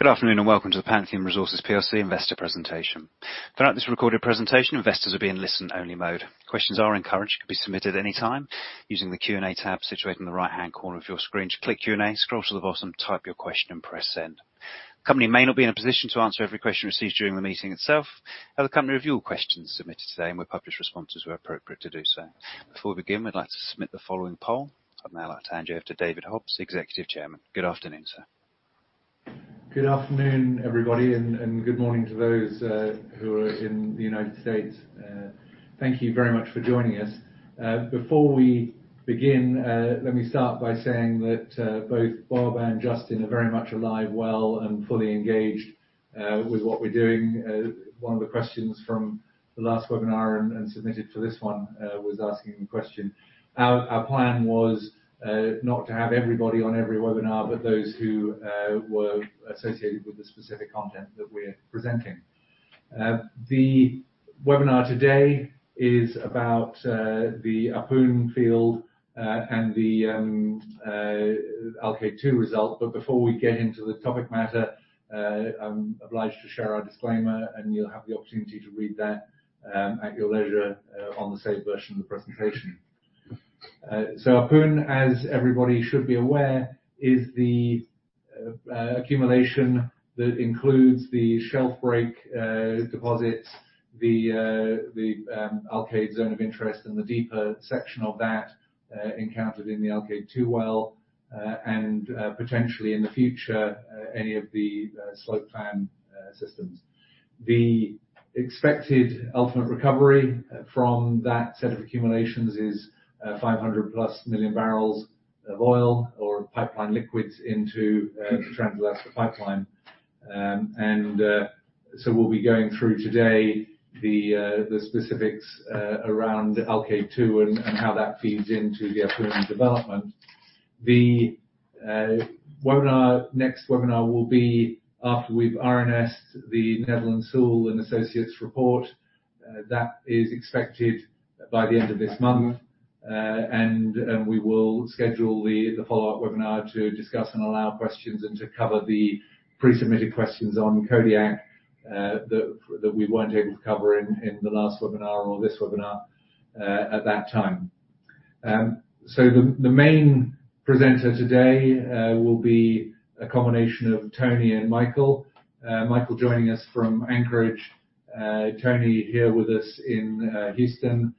Good afternoon and welcome to the Pantheon Resources plc investor presentation. Throughout this recorded presentation, investors will be in listen only mode. Questions are encouraged, can be submitted any time using the Q&A tab situated in the right-hand corner of your screen. Just click Q&A, scroll to the bottom, type your question and press Send. The company may not be in a position to answer every question received during the meeting itself. However, the company review all questions submitted today, and we'll publish responses where appropriate to do so. Before we begin, we'd like to submit the following poll. I'd now like to hand you over to David Hobbs, Executive Chairman. Good afternoon, sir. Good afternoon, everybody, and good morning to those who are in the United States. Thank you very much for joining us. Before we begin, let me start by saying that both Bob and Justin are very much alive, well, and fully engaged with what we're doing. 1 of the questions from the last webinar and submitted for this 1 was asking the question. Our plan was not to have everybody on every webinar, but those who were associated with the specific content that we're presenting. The webinar today is about the Ahpun Field and the Alkaid-2 result. Before we get into the topic matter, I'm obliged to share our disclaimer, and you'll have the opportunity to read that at your leisure on the saved version of the presentation. Ahpun, as everybody should be aware, is the accumulation that includes the shelf break deposits, the Alkaid zone of interest and the deeper section of that encountered in the Alkaid-2 well, and potentially in the future, any of the slope fan systems. The expected ultimate recovery from that set of accumulations is 500+ million barrels of oil or pipeline liquids into Trans-Alaska Pipeline. We'll be going through today the specifics around Alkaid-2 and how that feeds into the Ahpun development. The next webinar will be after we've RNS-ed the Netherland, Sewell & Associates report. That is expected by the end of this month. We will schedule the follow-up webinar to discuss and allow questions and to cover the pre-submitted questions on Kodiak that we weren't able to cover in the last webinar or this webinar at that time. The main presenter today will be a combination of Tony and Michael joining us from Anchorage, Tony here with us in Houston.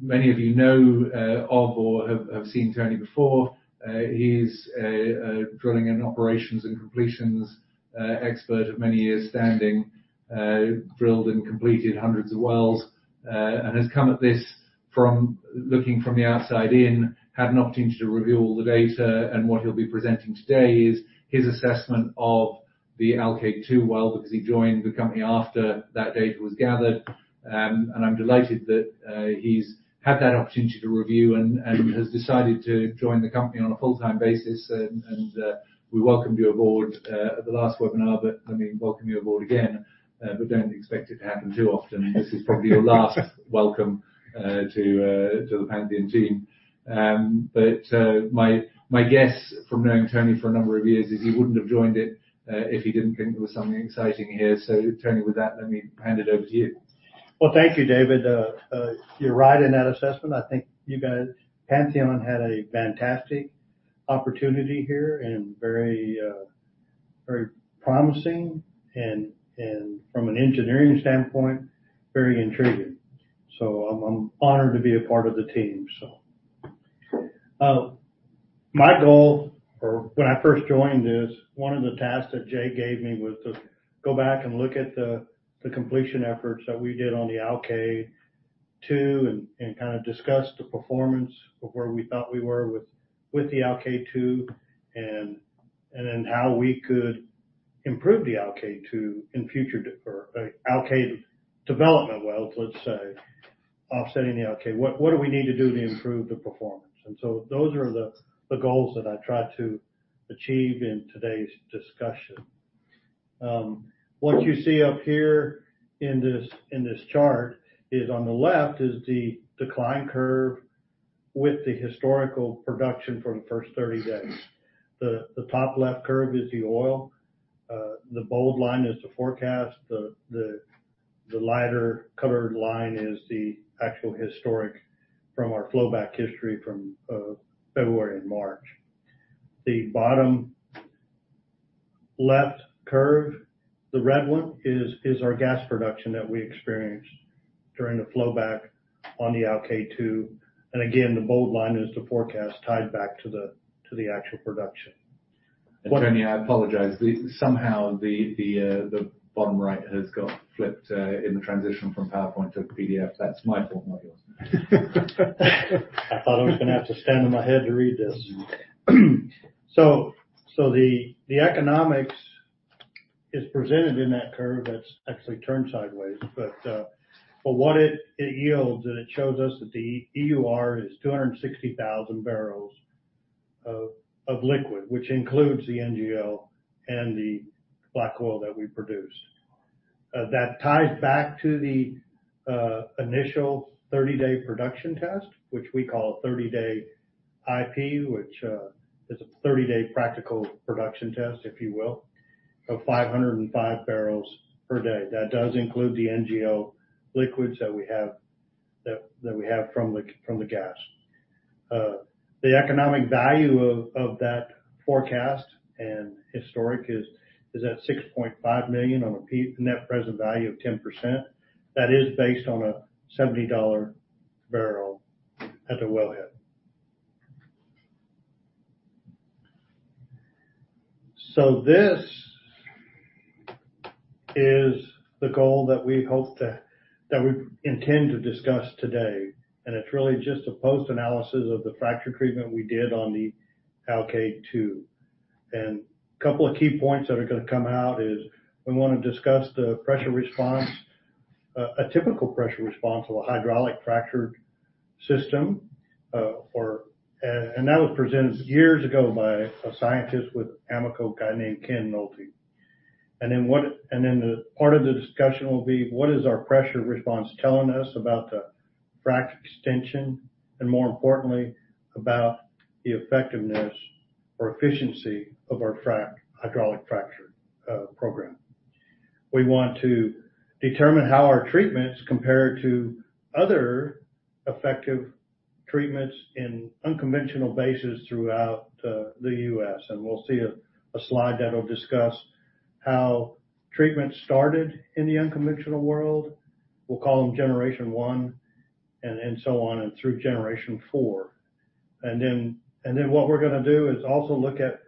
Many of you know of or have seen Tony before. He's a drilling and operations and completions expert of many years standing, drilled and completed hundreds of wells, and has come at this from looking from the outside in, had an opportunity to review all the data. What he'll be presenting today is his assessment of the Alkaid-2 Well, because he joined the company after that data was gathered. I'm delighted that he's had that opportunity to review and we welcomed you aboard at the last webinar, but I mean, welcome you aboard again. But don't expect it to happen too often. This is probably your last welcome to the Pantheon team. My guess from knowing Tony for a number of years is he wouldn't have joined it if he didn't think there was something exciting here. Tony, with that, let me hand it over to you. Well, thank you, David. You're right in that assessment. I think you guys, Pantheon had a fantastic opportunity here and very promising and from an engineering standpoint, very intriguing. I'm honoured to be a part of the team. My goal or when I first joined this, 1 of the tasks that Jay gave me was to go back and look at the completion efforts that we did on the Alkaid-2 and kind of discuss the performance of where we thought we were with the Alkaid-2 and then how we could improve the Alkaid-2 in future or Alkaid development wells, let's say, offsetting the Alkaid. What do we need to do to improve the performance? Those are the goals that I try to achieve in today's discussion. What you see up here in this chart is on the left is the decline curve with the historical production for the first 30 days. The top left curve is the oil. The bold line is the forecast. The lighter coloured line is the actual historic from our flowback history from February and March. The bottom left curve, the red 1, is our gas production that we experienced during the flowback on the Alkaid-2. Again, the bold line is the forecast tied back to the actual production. Tony, I apologize. Somehow the bottom right has got flipped in the transition from PowerPoint to PDF. That's my fault, not yours. I thought I was going to have to stand on my head to read this. The economics is presented in that curve that's actually turned sideways. What it yields and it shows us that the EUR is 260,000 barrels of liquid, which includes the NGL and the black oil that we produce. That ties back to the initial 30-day production test, which we call 30-day IP, which is a 30-day practical production test, if you will, of 505 barrels per day. That does include the NGL liquids that we have from the gas. The economic value of that forecast and historic is at $6.5 million on a PV-10. That is based on a $70 barrel at the wellhead. This is the goal that we intend to discuss today, and it's really just a post-analysis of the fracture treatment we did on the Alkaid-2. Couple of key points that are going to come out is we want to discuss the pressure response, a typical pressure response of a hydraulic fracture system. That was presented years ago by a scientist with Amoco, a guy named Ken Nolte. The part of the discussion will be, what is our pressure response telling us about the frac extension, and more importantly, about the effectiveness or efficiency of our hydraulic fracture program. We want to determine how our treatments compare to other effective treatments in unconventional basins throughout the U.S. We'll see a slide that'll discuss how treatments started in the unconventional world. We'll call them generation 1 and so on and through generation 4. What we're going to do is also look at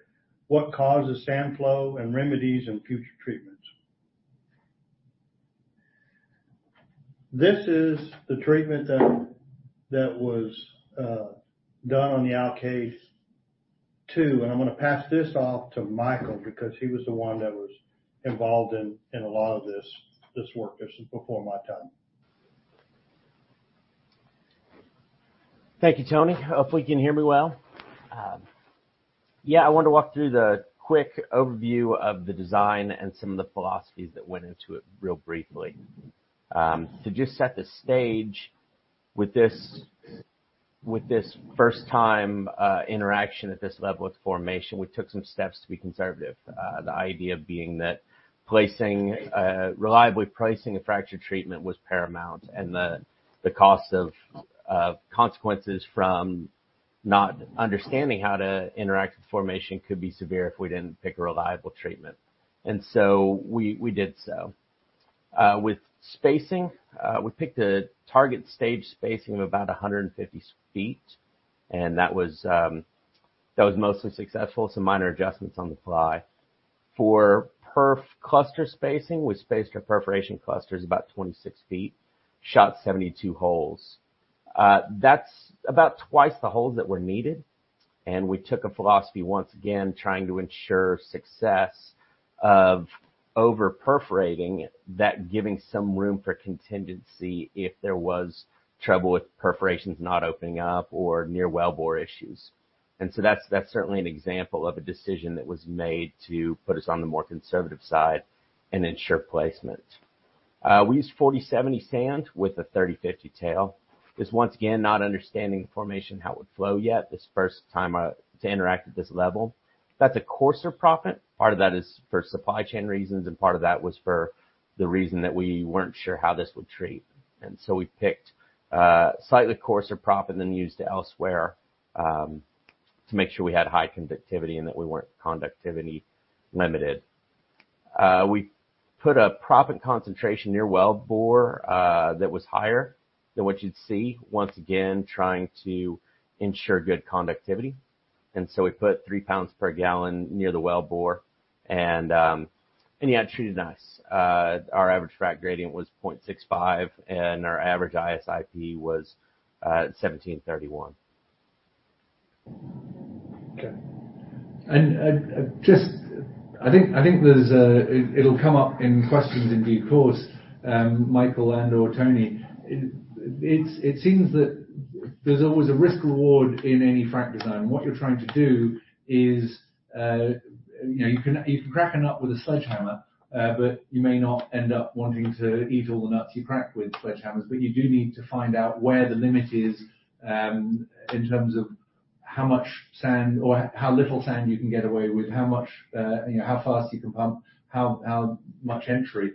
what causes sand flow and remedies in future treatments. This is the treatment that was done on the Alkaid-2, and I'm going to pass this off to Michael because he was the 1 that was involved in a lot of this work. This is before my time. Thank you, Tony. Hopefully you can hear me well. Yeah, I wanted to walk through the quick overview of the design and some of the philosophies that went into it real briefly. To just set the stage with this first time interaction at this level of formation, we took some steps to be conservative. The idea being that placing reliably a fracture treatment was paramount, and the cost of consequences from not understanding how to interact with the formation could be severe if we didn't pick a reliable treatment. We did so. With spacing, we picked a target stage spacing of about 150 feet, and that was mostly successful, with some minor adjustments on the fly. For perforation cluster spacing, we spaced our perforation clusters about 26 feet, shot 72 holes. That's about twice the holes that were needed, and we took a philosophy once again trying to ensure success of over-perforating, that giving some room for contingency if there was trouble with perforations not opening up or near wellbore issues. That's certainly an example of a decision that was made to put us on the more conservative side and ensure placement. We used 40/70 sand with a 30/50 tail 'cause once again, not understanding the formation, how it would flow yet, this is the first time to interact at this level. That's a coarser proppant. Part of that is for supply chain reasons, and part of that was for the reason that we weren't sure how this would treat. We picked a slightly coarser proppant than used elsewhere, to make sure we had high conductivity and that we weren't conductivity limited. We put a proppant concentration near wellbore, that was higher than what you'd see, once again, trying to ensure good conductivity. We put 3 pounds per gallon near the wellbore and, yeah, it treated nice. Our average frac gradient was 0.65, and our average ISIP was 1,731. Okay. Just, I think it'll come up in questions in due course, Michael and/or Tony. It seems that there's always a risk/reward in any frac design. What you're trying to do is, you know, you can crack a nut with a sledgehammer, but you may not end up wanting to eat all the nuts you crack with sledgehammers. You do need to find out where the limit is, in terms of how much sand or how little sand you can get away with, how much, you know, how fast you can pump, how much entry.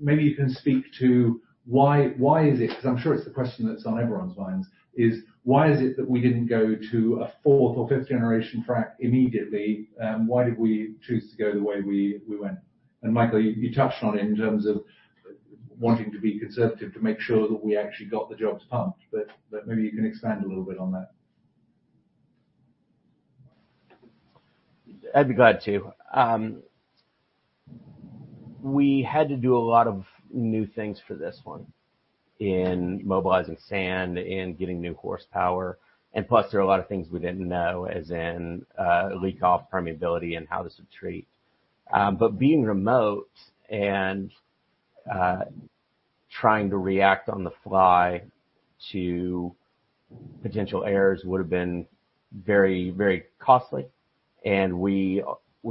Maybe you can speak to why is it. 'Cause I'm sure it's the question that's on everyone's minds, is why is it that we didn't go to a 4th or 5th generation frac immediately? Why did we choose to go the way we went? Michael, you touched on it in terms of wanting to be conservative to make sure that we actually got the jobs pumped, but maybe you can expand a little bit on that. I'd be glad to. We had to do a lot of new things for this 1 in mobilizing sand, in getting new horsepower, and plus there were a lot of things we didn't know, as in, leak off permeability and how this would treat. But being remote and trying to react on the fly to potential errors would have been very, very costly. We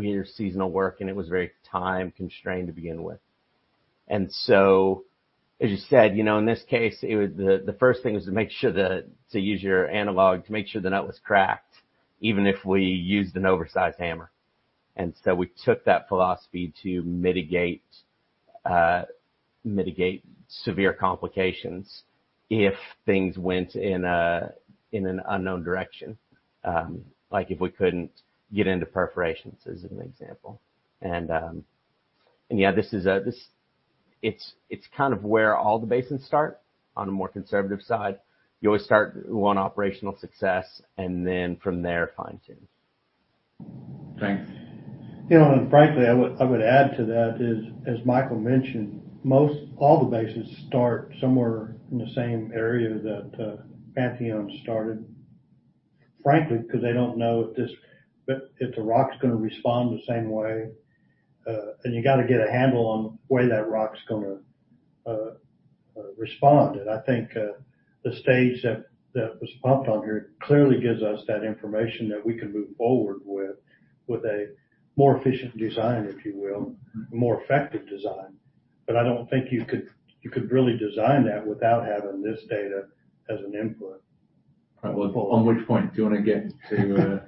did seasonal work, and it was very time-constrained to begin with. As you said, you know, in this case, it was the first thing was to make sure to use your analogy, to make sure the nut was cracked, even if we used an oversized hammer. We took that philosophy to mitigate severe complications if things went in an unknown direction, like if we couldn't get into perforations, as an example. Yeah, it's kind of where all the basins start on a more conservative side. You always start, want operational success, and then from there, fine-tune. Thanks. You know, frankly, I would add to that, as Michael mentioned, most all the basins start somewhere in the same area that Pantheon started, frankly, because they don't know if the rock's going to respond the same way. You got to get a handle on the way that rock's going to respond. I think the stage that was pumped on here clearly gives us that information that we can move forward with a more efficient design, if you will, a more effective design. But I don't think you could really design that without having this data as an input. All right. Well, on which point do you want to get to,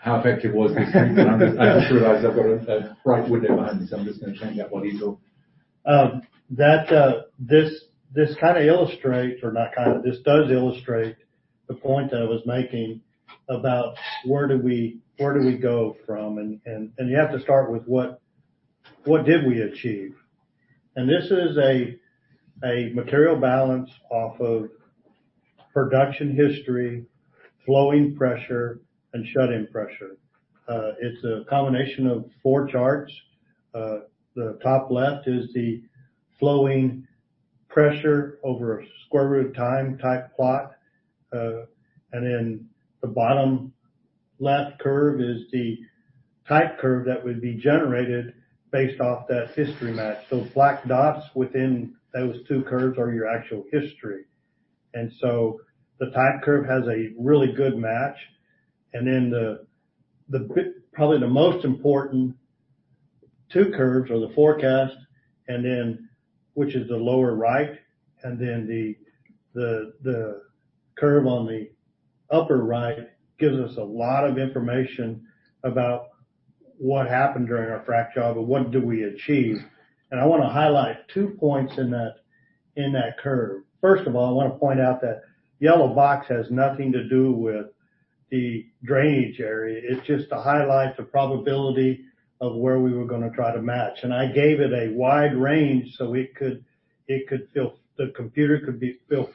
how effective was this? I just realized I've got a bright window behind me, so I'm just going to change that while you talk. This does illustrate the point I was making about where do we go from. You have to start with what did we achieve? This is a material balance off of production history, flowing pressure, and shut-in pressure. It's a combination of 4 charts. The top left is the flowing pressure over a square root time type plot. Then the bottom left curve is the type curve that would be generated based off that history match. Those black dots within those 2 curves are your actual history. The type curve has a really good match. Then the bit. Probably the most important 2 curves are the forecast and then, which is the lower right, and then the curve on the upper right gives us a lot of information about what happened during our frack job or what did we achieve. I want to highlight 2 points in that curve. First of all, I want to point out that yellow box has nothing to do with the drainage area. It's just to highlight the probability of where we were going to try to match. I gave it a wide range, so it could feel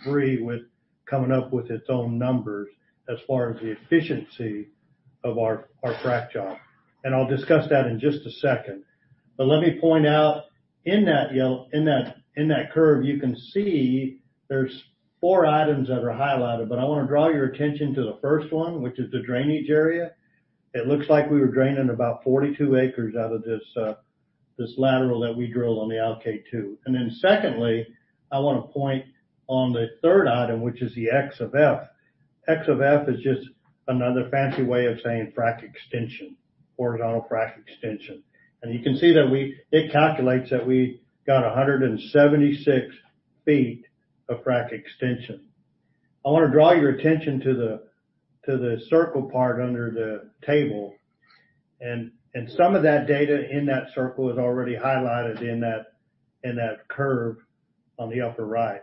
free with coming up with its own numbers as far as the efficiency of our frack job. I'll discuss that in just a second. Let me point out in that yellow. In that curve, you can see there's 4 items that are highlighted, but I want to draw your attention to the first 1, which is the drainage area. It looks like we were draining about 42 acres out of this lateral that we drilled on the Alkaid-2. Then secondly, I want to point to the third item, which is the X of F. X of F is just another fancy way of saying frack extension, horizontal frack extension. You can see it calculates that we got 176 feet of frack extension. I want to draw your attention to the circle part under the table. Some of that data in that circle is already highlighted in that curve on the upper right.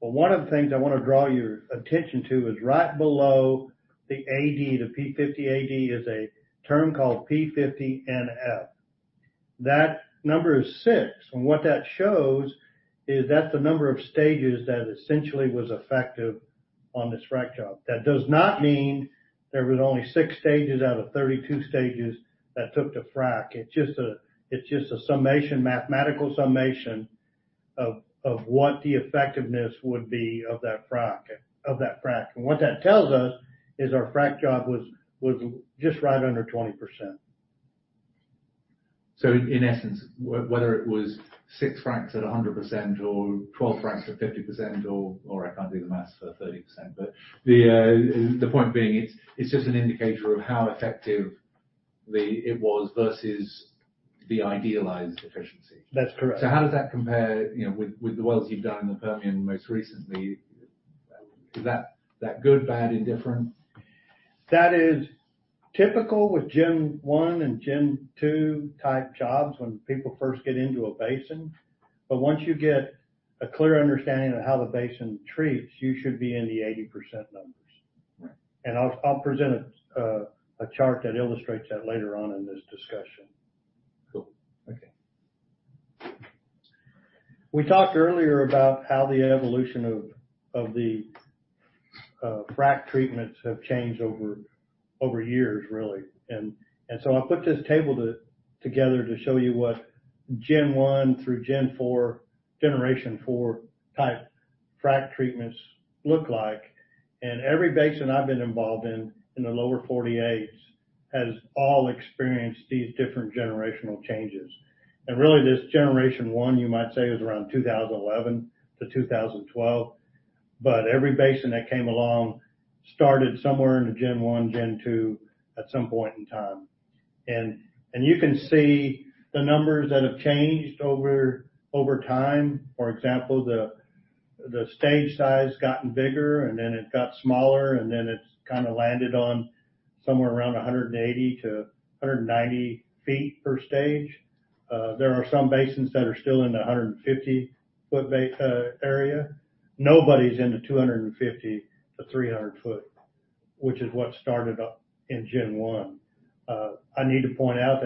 1 of the things I want to draw your attention to is right below the AD, the P50 AD, is a term called P50 NF. That number is 6, and what that shows is that's the number of stages that essentially was effective on this frack job. That does not mean there was only 6 stages out of 32 stages that took the frack. It's just a summation, mathematical summation of what the effectiveness would be of that frack. What that tells us is our frack job was just right under 20%. In essence, whether it was 6 fracs at 100% or 12 fracs at 50% or I can't do the math at 30%. The point being, it's just an indicator of how effective it was versus the idealized efficiency. That's correct. How does that compare, you know, with the wells you've done in the Permian most recently? Is that good, bad, indifferent? That is typical with Gen 1 and Gen 2 type jobs when people first get into a basin. Once you get a clear understanding of how the basin treats, you should be in the 80% numbers. Right. I'll present a chart that illustrates that later on in this discussion. Cool. Okay. We talked earlier about how the evolution of the frac treatments have changed over years, really. I put this table together to show you what Gen 1 through Gen 4, generation 4 types of frac treatments look like. Every basin I've been involved in the lower 48s has all experienced these different generational changes. Really, this generation 1, you might say, was around 2011 to 2012. Every basin that came along started somewhere in the Gen 1, Gen 2 at some point in time. You can see the numbers that have changed over time. For example, the stage size gotten bigger and then it got smaller and then it's kind of landed on somewhere around 180-190 feet per stage. There are some basins that are still in the 150-foot area. Nobody's in the 250-300 foot, which is what started up in Gen 1. I need to point out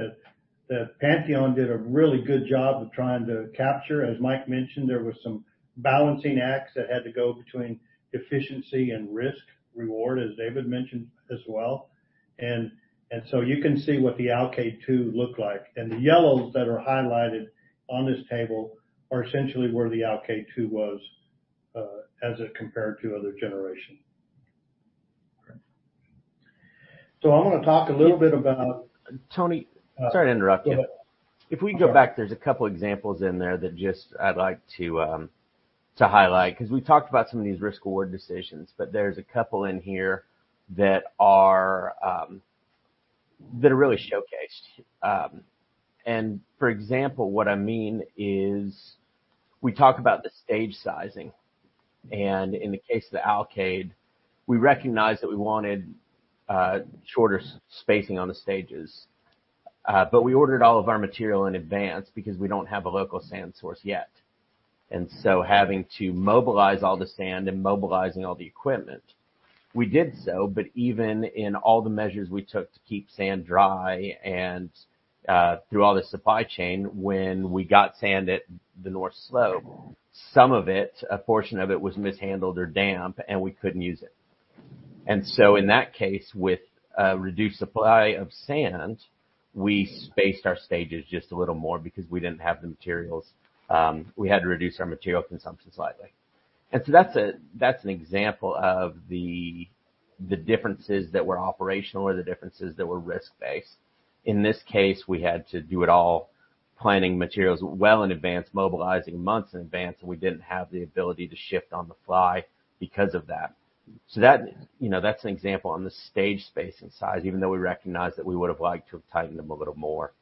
that Pantheon did a really good job of trying to capture. As Mike mentioned, there was some balancing acts that had to go between efficiency and risk reward, as David mentioned as well. You can see what the Alkaid-2 looked like. The yellows that are highlighted on this table are essentially where the Alkaid-2 was, as it compared to other generation. I want to talk a little bit about Tony, sorry to interrupt you. Yeah. If we go back, there's a couple examples in there that I'd like to highlight, 'cause we talked about some of these risk/reward decisions, but there's a couple in here that are really showcased. For example, what I mean is we talk about the stage sizing, and in the case of the Alkaid, we recognized that we wanted shorter spacing on the stages. We ordered all of our material in advance because we don't have a local sand source yet. Having to mobilize all the sand and mobilizing all the equipment, we did so, but even in all the measures we took to keep sand dry and through all the supply chain, when we got sand at the North Slope, some of it, a portion of it was mishandled or damp, and we couldn't use it. In that case, with a reduced supply of sand, we spaced our stages just a little more because we didn't have the materials. We had to reduce our material consumption slightly. That's an example of the differences that were operational or the differences that were risk-based. In this case, we had to do it all, planning materials well in advance, mobilizing months in advance, and we didn't have the ability to shift on the fly because of that. that, you know, that's an example on the stage space and size, even though we recognized that we would have liked to have tightened them a little more.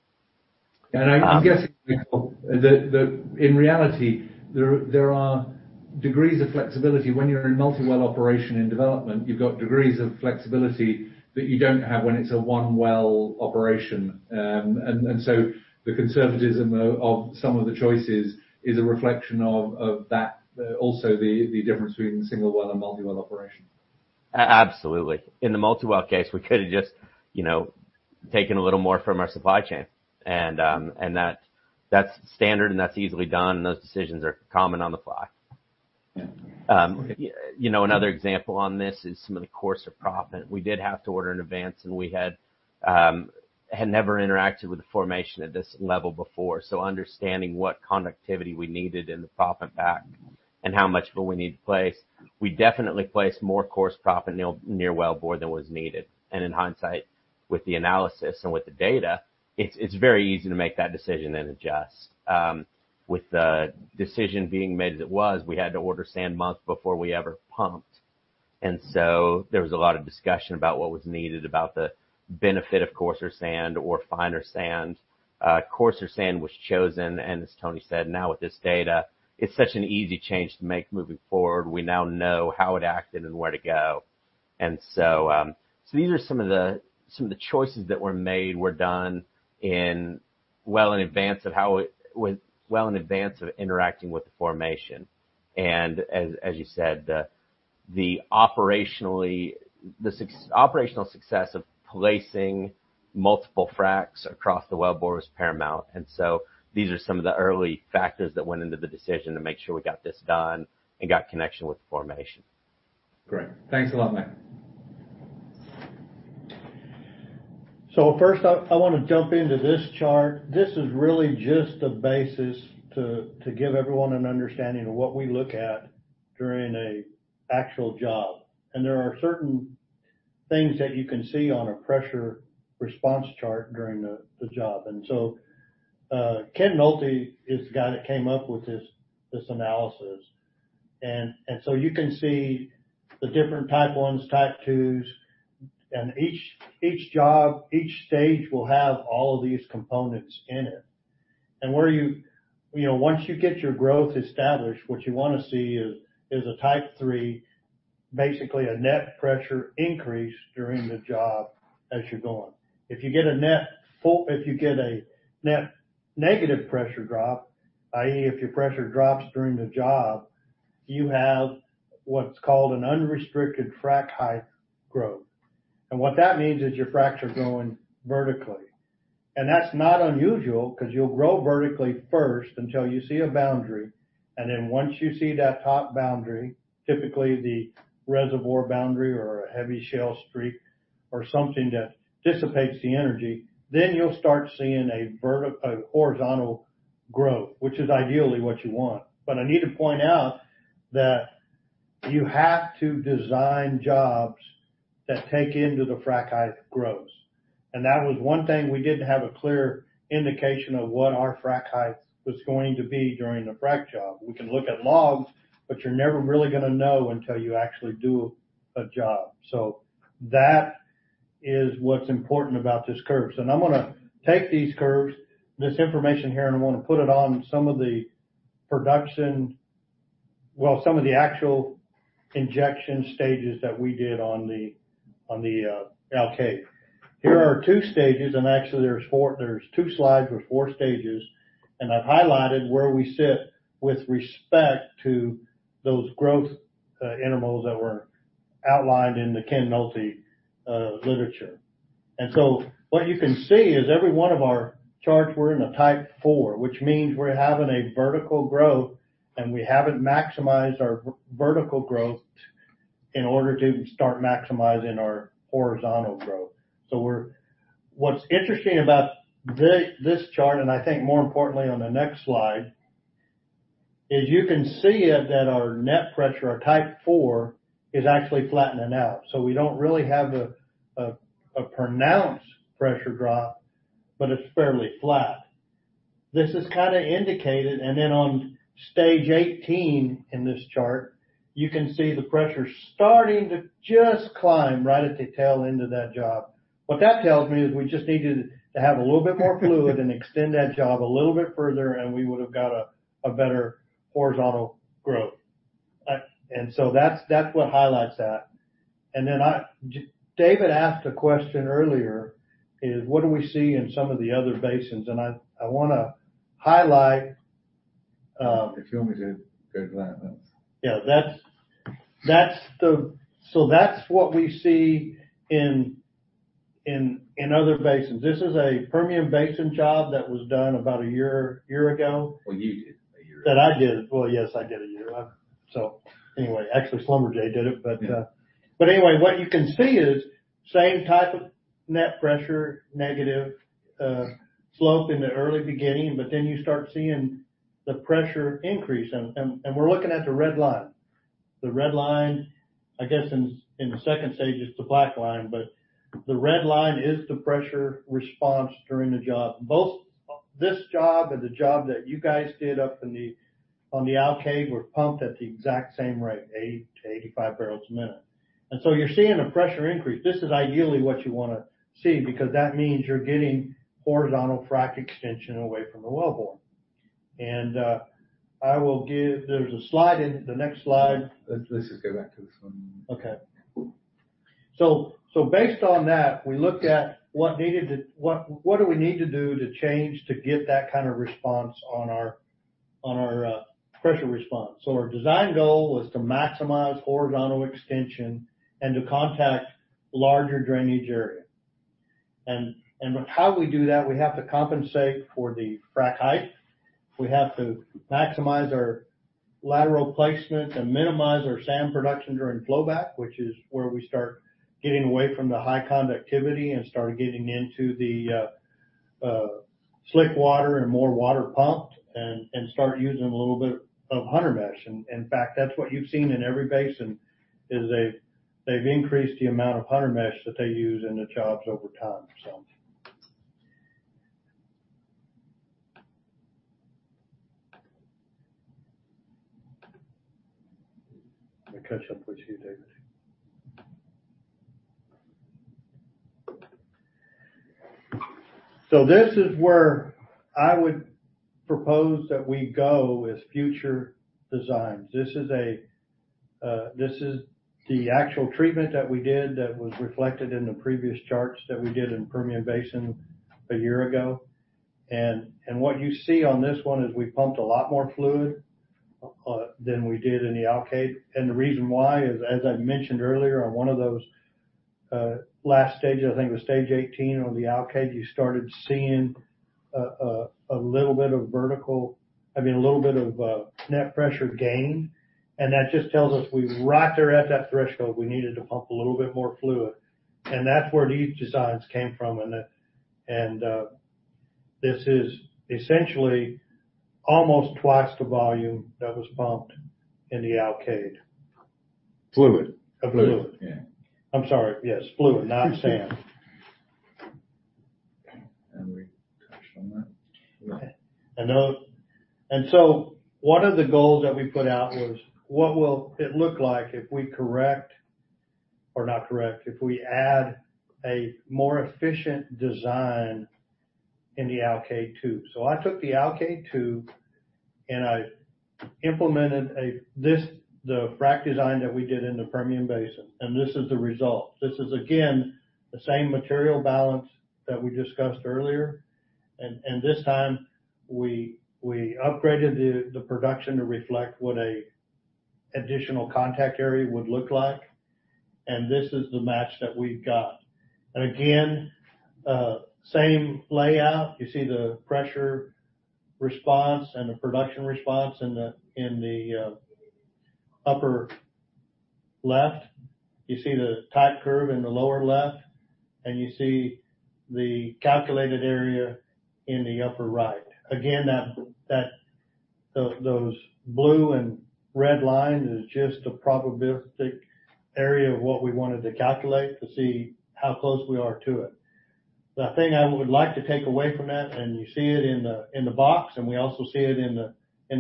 I'm guessing, Michael, in reality, there are degrees of flexibility. When you're in multi-well operation in development, you've got degrees of flexibility that you don't have when it's a 1-well operation. So the conservatism of some of the choices is a reflection of that, also the difference between single well and multi-well operation. Absolutely. In the multi-well case, we could have just, you know, taken a little more from our supply chain. That's standard, and that's easily done, and those decisions are common on the fly. Yeah. You know, another example on this is some of the coarser proppant. We did have to order in advance, and we had never interacted with the formation at this level before. Understanding what conductivity we needed in the proppant pack and how much of it we need to place, we definitely placed more coarse proppant near wellbore than was needed. In hindsight, with the analysis and with the data, it's very easy to make that decision, then adjust. With the decision being made as it was, we had to order sand months before we ever pumped. There was a lot of discussion about what was needed, about the benefit of coarser sand or finer sand. Coarser sand was chosen, and as Tony said, now with this data, it's such an easy change to make moving forward. We now know how it acted and where to go. These are some of the choices that were made well in advance of interacting with the formation. As you said, the operational success of placing multiple fracs across the wellbore was paramount. These are some of the early factors that went into the decision to make sure we got this done and got connection with the formation. Great. Thanks a lot, Mike. First I want to jump into this chart. This is really just a basis to give everyone an understanding of what we look at during an actual job. There are certain things that you can see on a pressure response chart during the job. Ken Nolte is the guy that came up with this analysis. You can see the different type 1s, type 2s, and each job, each stage will have all of these components in it. You know, once you get your growth established, what you want to see is a type 3, basically a net pressure increase during the job as you're going. If you get a net negative pressure drop, i.e., if your pressure drops during the job, you have what's called an unrestricted frac height growth. What that means is your frac are going vertically. That's not unusual because you'll grow vertically first until you see a boundary. Then once you see that top boundary, typically the reservoir boundary or a heavy shale streak or something that dissipates the energy, then you'll start seeing a horizontal growth, which is ideally what you want. I need to point out that you have to design jobs that take into the frac height growths. That was 1 thing we didn't have a clear indication of what our frac height was going to be during the frac job. We can look at logs, but you're never really going to know until you actually do a job. That is what's important about these curves. I'm going to take these curves, this information here, and I'm going to put it on some of the actual injection stages that we did on the Alkaid. Here are our 2 stages, and actually there's 4. There's 2 slides with 4 stages, and I've highlighted where we sit with respect to those growth intervals that were outlined in the Ken Nolte literature. What you can see is every 1 of our charts were in a type 4, which means we're having a vertical growth, and we haven't maximized our vertical growth in order to start maximizing our horizontal growth. We're What's interesting about this chart, and I think more importantly on the next slide, is you can see that our net pressure or type 4 is actually flattening out. We don't really have a pronounced pressure drop, but it's fairly flat. This is kind of indicated. Then on stage 18 in this chart, you can see the pressure starting to just climb right at the tail end of that job. What that tells me is we just needed to have a little bit more fluid and extend that job a little bit further, and we would have got a better horizontal growth. That's what highlights that. Then David asked a question earlier, what do we see in some of the other basins? I want to highlight. If you want me to go to that's. Yeah, that's what we see in other basins. This is a Permian Basin job that was done about a year ago. Well, you did a year ago. That I did. Well, yes, I did a year ago. Anyway, actually, Schlumberger did it. But, Yeah. Anyway, what you can see is same type of net pressure, negative, slump in the early beginning, but then you start seeing the pressure increase. We're looking at the red line. The red line, I guess in the second stage, it's the black line, but the red line is the pressure response during the job. Both this job and the job that you guys did up on the Alkaid were pumped at the exact same rate, 80-85 barrels a minute. You're seeing a pressure increase. This is ideally what you want to see because that means you're getting horizontal frac extension away from the wellbore. There is a slide in the next slide. Let's just go back to this 1. Based on that, we looked at what we need to do to change to get that kind of response on our pressure response. Our design goal was to maximize horizontal extension and to contact larger drainage area. How do we do that? We have to compensate for the frac height. We have to maximize our lateral placement and minimize our sand production during flowback, which is where we start getting away from the high conductivity and start getting into the slick water and more water pumped and start using a little bit of 100 mesh. In fact, that's what you've seen in every basin, is they've increased the amount of 100 mesh that they use in the jobs over time. I'll catch up with you, David. This is where I would propose that we go with future designs. This is the actual treatment that we did that was reflected in the previous charts that we did in Permian Basin a year ago. What you see on this 1 is we pumped a lot more fluid than we did in the Alkaid. The reason why is, as I mentioned earlier, on 1 of those last stages, I think it was stage 18 on the Alkaid, you started seeing a little bit of net pressure gain. That just tells us we were right there at that threshold. We needed to pump a little bit more fluid. That's where these designs came from. This is essentially almost twice the volume that was pumped in the Alkaid. Fluid. Of fluid. Fluid, yeah. I'm sorry. Yes, fluid, not sand. We can touch on that. 1 of the goals that we put out was what will it look like if we correct, or not correct, if we add a more efficient design in the Alkaid-2? I took the Alkaid-2, and I implemented the frac design that we did in the Permian Basin, and this is the result. This is the same material balance that we discussed earlier. This time we upgraded the production to reflect what an additional contact area would look like. This is the match that we've got. Same layout. You see the pressure response and the production response in the upper left, you see the type curve in the lower left, and you see the calculated area in the upper right. Those blue and red lines is just a probabilistic area of what we wanted to calculate to see how close we are to it. The thing I would like to take away from that, and you see it in the box, and we also see it in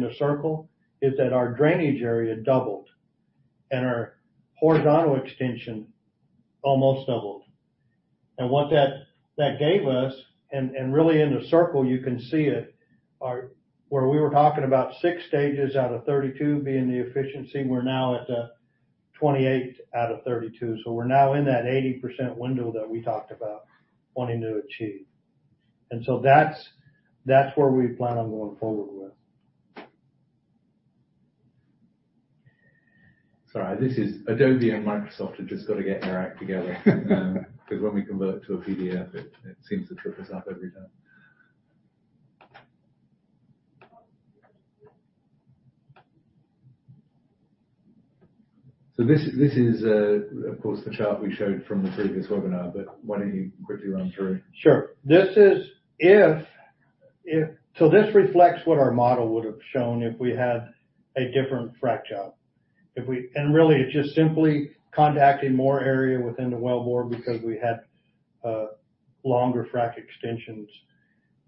the circle, is that our drainage area doubled and our horizontal extension almost doubled. What that gave us, and really in the circle you can see it, are where we were talking about 6 stages out of 32 being the efficiency, we're now at 28 out of 32. We're now in that 80% window that we talked about wanting to achieve. That's where we plan on going forward with. Sorry. Adobe and Microsoft have just got to get their act together. 'Cause when we convert to a PDF, it seems to trip us up every time. This is, of course, the chart we showed from the previous webinar, but why don't you quickly run through? Sure. This reflects what our model would have shown if we had a different frack job. Really, it's just simply contacting more area within the wellbore because we had longer frack extensions.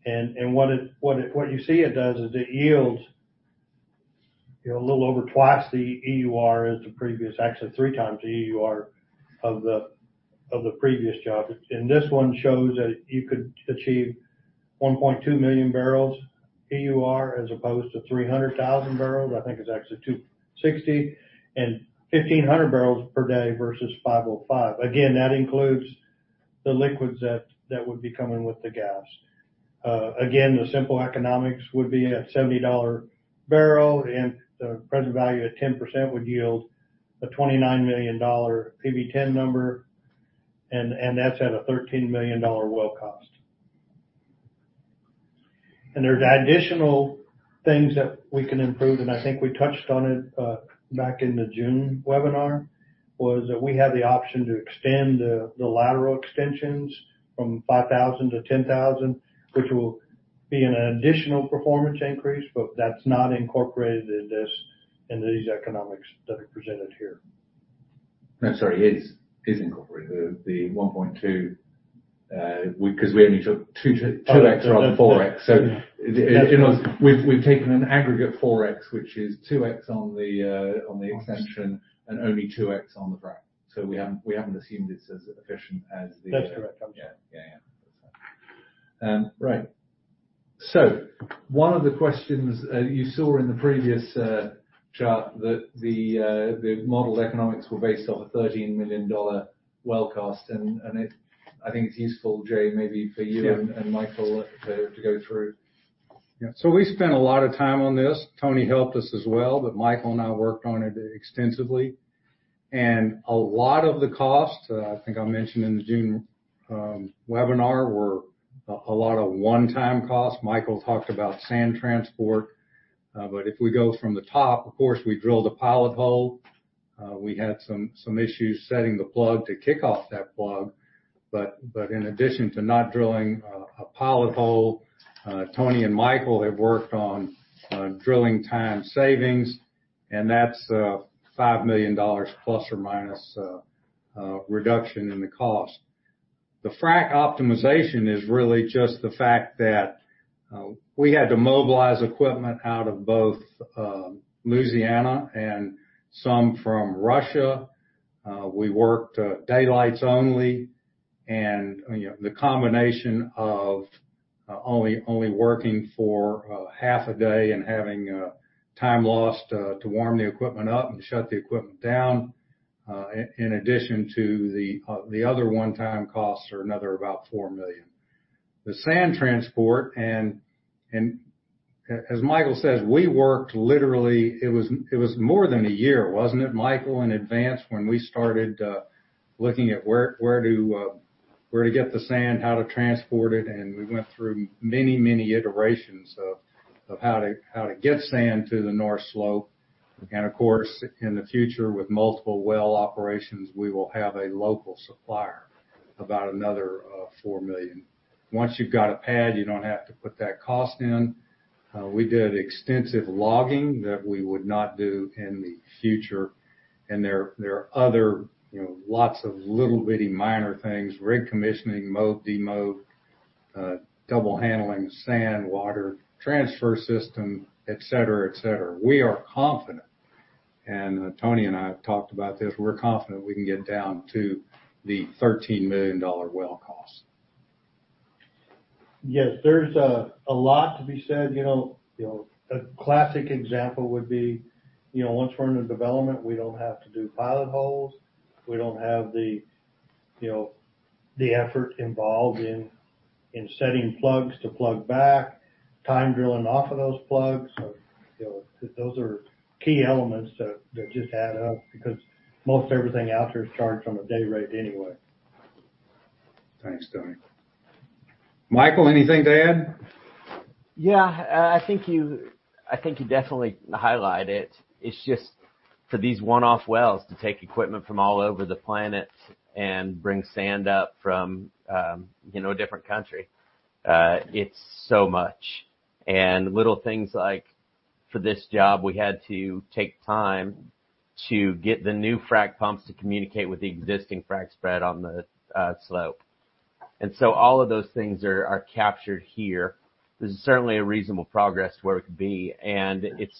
What you see it does is it yields, you know, a little over twice the EUR as the previous. Actually, 3x the EUR of the previous job. This 1 shows that you could achieve 1.2 million barrels EUR, as opposed to 300,000 barrels. I think it's actually 260, and 1,500 barrels per day versus 505. Again, that includes the liquids that would be coming with the gas. Again, the simple economics would be at $70 barrel, and the present value at 10% would yield a $29 million PV10 number, and that's at a $13 million well cost. There's additional things that we can improve, and I think we touched on it back in the June webinar, that we have the option to extend the lateral extensions from 5,000-10,000, which will be an additional performance increase, but that's not incorporated in these economics that are presented here. No, sorry, it is. It is incorporated. The 1.2, 'cause we only took 2x rather than 4x. Oh, yeah. You know, we've taken an aggregate 4x, which is 2x on the extension and only 2x on the frac. We haven't assumed it's as efficient as the- That's correct. Yeah. Right. 1 of the questions you saw in the previous chart that the model economics were based off a $13 million well cost. I think it's useful, Jay, maybe for you. Yeah. Michael to go through. Yeah, we spent a lot of time on this. Tony helped us as well, but Michael and I worked on it extensively. A lot of the costs, I think I mentioned in the June webinar, were a lot of 1-time costs. Michael talked about sand transport. If we go from the top, of course, we drilled a pilot hole. We had some issues setting the plug to kick off that plug. In addition to not drilling a pilot hole, Tony and Michael have worked on drilling time savings, and that's $5 million ± reduction in the cost. The frac optimization is really just the fact that we had to mobilize equipment out of both Louisiana and some from Russia. We worked daylights only. You know, the combination of only working for half a day and having time lost to warm the equipment up and shut the equipment down, in addition to the other 1-time costs are about 4 million. The sand transport and as Michael says, we worked literally. It was more than a year, wasn't it, Michael, in advance when we started looking at where to get the sand, how to transport it, and we went through many iterations of how to get sand to the North Slope. Of course, in the future, with multiple well operations, we will have a local supplier, about another 4 million. Once you've got a pad, you don't have to put that cost in. We did extensive logging that we would not do in the future. There are other, you know, lots of little bitty minor things, rig commissioning, mob, demob, double handling sand, water transfer system, et cetera, et cetera. We are confident, Tony and I have talked about this, we're confident we can get down to the $13 million well cost. Yes. There's a lot to be said. You know, a classic example would be, you know, once we're into development, we don't have to do pilot holes. We don't have the, you know, the effort involved in setting plugs to plug back, time drilling off of those plugs. So, you know, those are key elements that just add up because most everything out there is charged on a day rate anyway. Thanks, Tony. Michael, anything to add? Yeah. I think you definitely highlight it. It's just for these 1-off wells to take equipment from all over the planet and bring sand up from, you know, a different country, it's so much. Little things like for this job, we had to take time to get the new frack pumps to communicate with the existing frack spread on the slope. All of those things are captured here. This is certainly a reasonable progress where it could be, and it's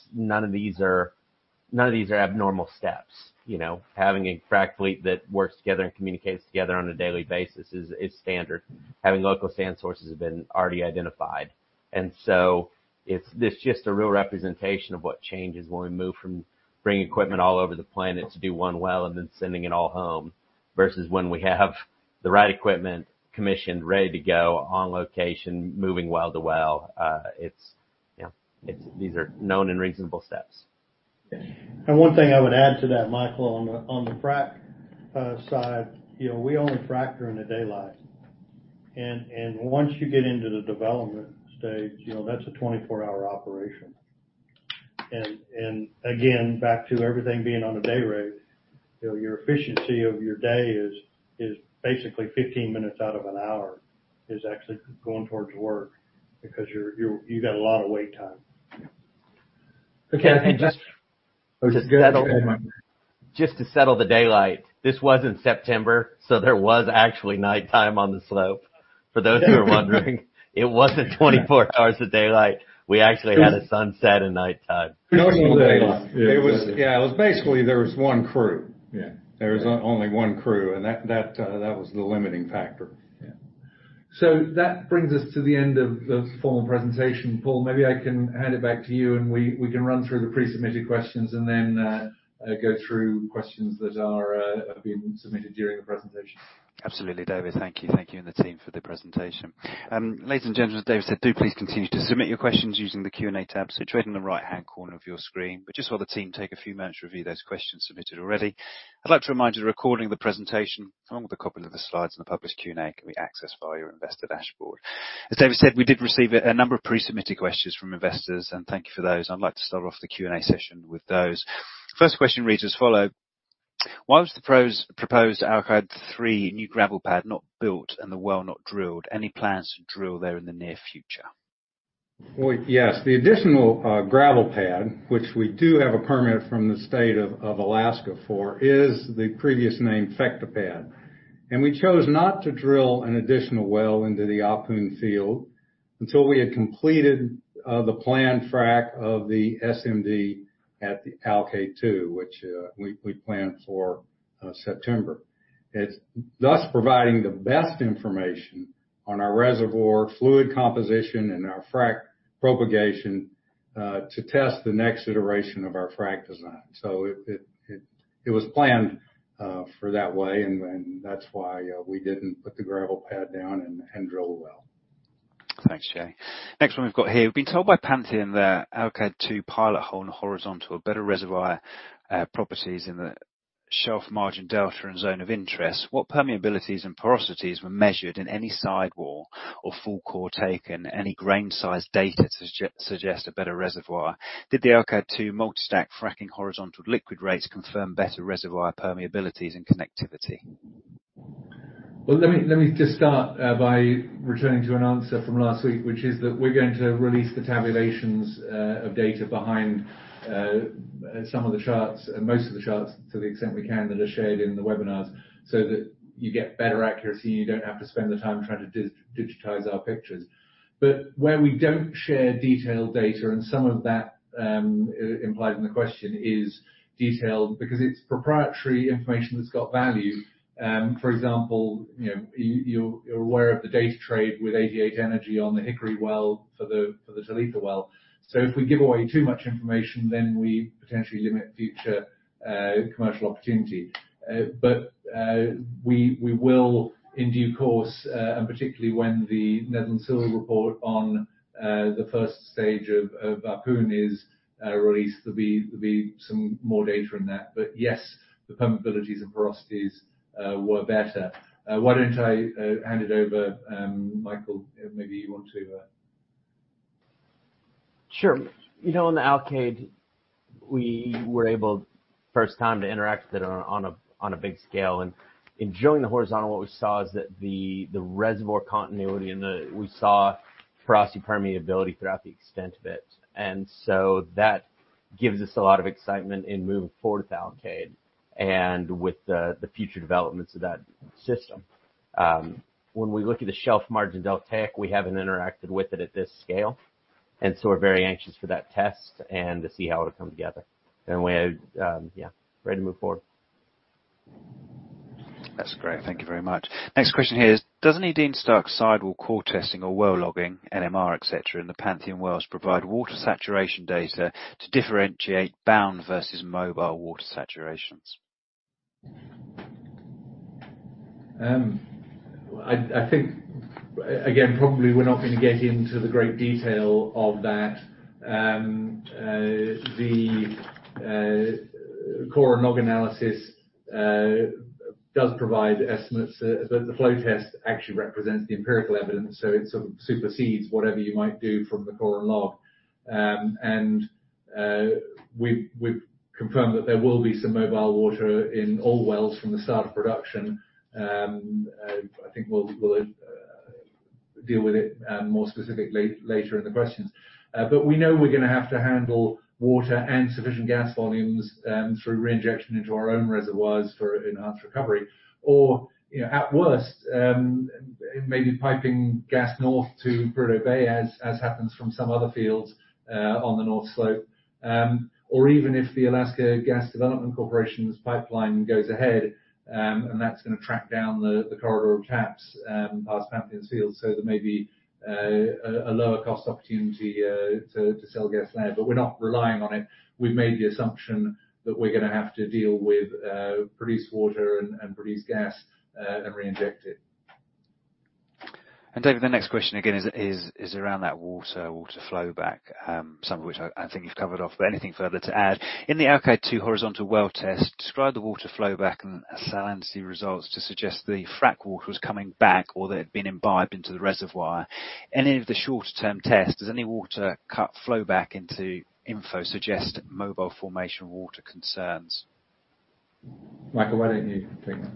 none of these are abnormal steps. You know, having a frack fleet that works together and communicates together on a daily basis is standard. Having local sand sources have been already identified. This is just a real representation of what changes when we move from bringing equipment all over the planet to do 1 well, and then sending it all home, versus when we have the right equipment commissioned, ready to go on location, moving well to well. You know, these are known and reasonable steps. 1 thing I would add to that, Michael, on the frac side, you know, we only frac during the daylight. Once you get into the development stage, you know, that's a 24-hour operation. Again, back to everything being on a day rate, you know, your efficiency of your day is basically 15 minutes out of an hour actually going towards work because you got a lot of wait time. Okay. Just to settle the daylight. This was in September, so there was actually nighttime on the slope. For those who are wondering, it wasn't 24 hours of daylight. We actually had a sunset and nighttime. It was, yeah. Basically there was 1 crew. Yeah. There was only 1 crew, and that was the limiting factor. Yeah. That brings us to the end of the formal presentation. Paul, maybe I can hand it back to you, and we can run through the pre-submitted questions and then go through questions that have been submitted during the presentation. Absolutely, David. Thank you and the team for the presentation. Ladies and gentlemen, as David said, do please continue to submit your questions using the Q&A tab situated in the right-hand corner of your screen. Just while the team take a few minutes to review those questions submitted already, I'd like to remind you, a recording of the presentation, along with a copy of the slides and the published Q&A, can be accessed via your investor dashboard. As David said, we did receive a number of pre-submitted questions from investors, and thank you for those. I'd like to start off the Q&A session with those. First question reads as follow: Why was the proposed Alkaid-3 new gravel pad not built and the well not drilled? Any plans to drill there in the near future? Well, yes. The additional gravel pad, which we do have a permit from the state of Alaska for, is the previous name Theta Pad. We chose not to drill an additional well into the Alkaid field until we had completed the planned frack of the SMD at the Alkaid-2, which we plan for September. It's thus providing the best information on our reservoir fluid composition and our frack propagation to test the next iteration of our frack design. It was planned for that way and that's why we didn't put the gravel pad down and drill the well. Thanks, Jay. Next 1 we've got here. We've been told by Pantheon that Alkaid-2 pilot hole and horizontal, better reservoir properties in the shelf margin delta and zone of interest. What permeabilities and porosities were measured in any sidewall or full core taken, any grain size data to suggest a better reservoir? Did the Alkaid-2 multi-stack fracking horizontal liquid rates confirm better reservoir permeabilities and connectivity? Well, let me just start by returning to an answer from last week, which is that we're going to release the tabulations of data behind some of the charts and most of the charts to the extent we can that are shared in the webinars so that you get better accuracy, and you don't have to spend the time trying to digitize our pictures. Where we don't share detailed data, and some of that implied in the question is detailed because it's proprietary information that's got value. For example, you know, you're aware of the data trade with 88 Energy on the Hickory well for the Talitha well. If we give away too much information, then we potentially limit future commercial opportunity. We will, in due course, and particularly when the Netherland, Sewell report on the first stage of Alkaid is released, there'll be some more data in that. Yes, the permeabilities and porosities were better. Why don't I hand it over, Michael, maybe you want to. Sure. You know, in the Alkaid, we were able for the first time to interact with it on a big scale. In drilling the horizontal, what we saw is that the reservoir continuity and porosity permeability throughout the extent of it. That gives us a lot of excitement in moving forward with Alkaid and with the future developments of that system. When we look at the shelf margin delta, we haven't interacted with it at this scale, and so we're very anxious for that test and to see how it'll come together. We're ready to move forward. That's great. Thank you very much. Next question here is, doesn't any dense dark sidewall core testing or well logging, NMR, et cetera, in the Pantheon wells provide water saturation data to differentiate bound versus mobile water saturations? I think again, probably we're not going to get into the greater detail of that. The core and log analysis does provide estimates. The flow test actually represents the empirical evidence, so it sort of supersedes whatever you might do from the core and log. We've confirmed that there will be some mobile water in all wells from the start of production. I think we'll deal with it more specifically later in the questions. We know we're going to have to handle water and sufficient gas volumes through reinjection into our own reservoirs for enhanced recovery. You know, at worst, maybe piping gas north to Prudhoe Bay, as happens from some other fields on the North Slope. Even if the Alaska Gasline Development Corporation's pipeline goes ahead, and that's going to track down the corridor of TAPS, past Pantheon Field. There may be a lower cost opportunity to sell gas there. We're not relying on it. We've made the assumption that we're going to have to deal with produced water and produced gas, and reinject it. David, the next question again is around that water flowback, some of which I think you've covered off. Anything further to add. In the Alkaid-2 horizontal well test, do the water flowback and salinity results suggest the frack water was coming back or that it had been imbibed into the reservoir. In any of the shorter-term tests, does any water cut flowback or inflow suggest mobile formation water concerns? Michael, why don't you take that?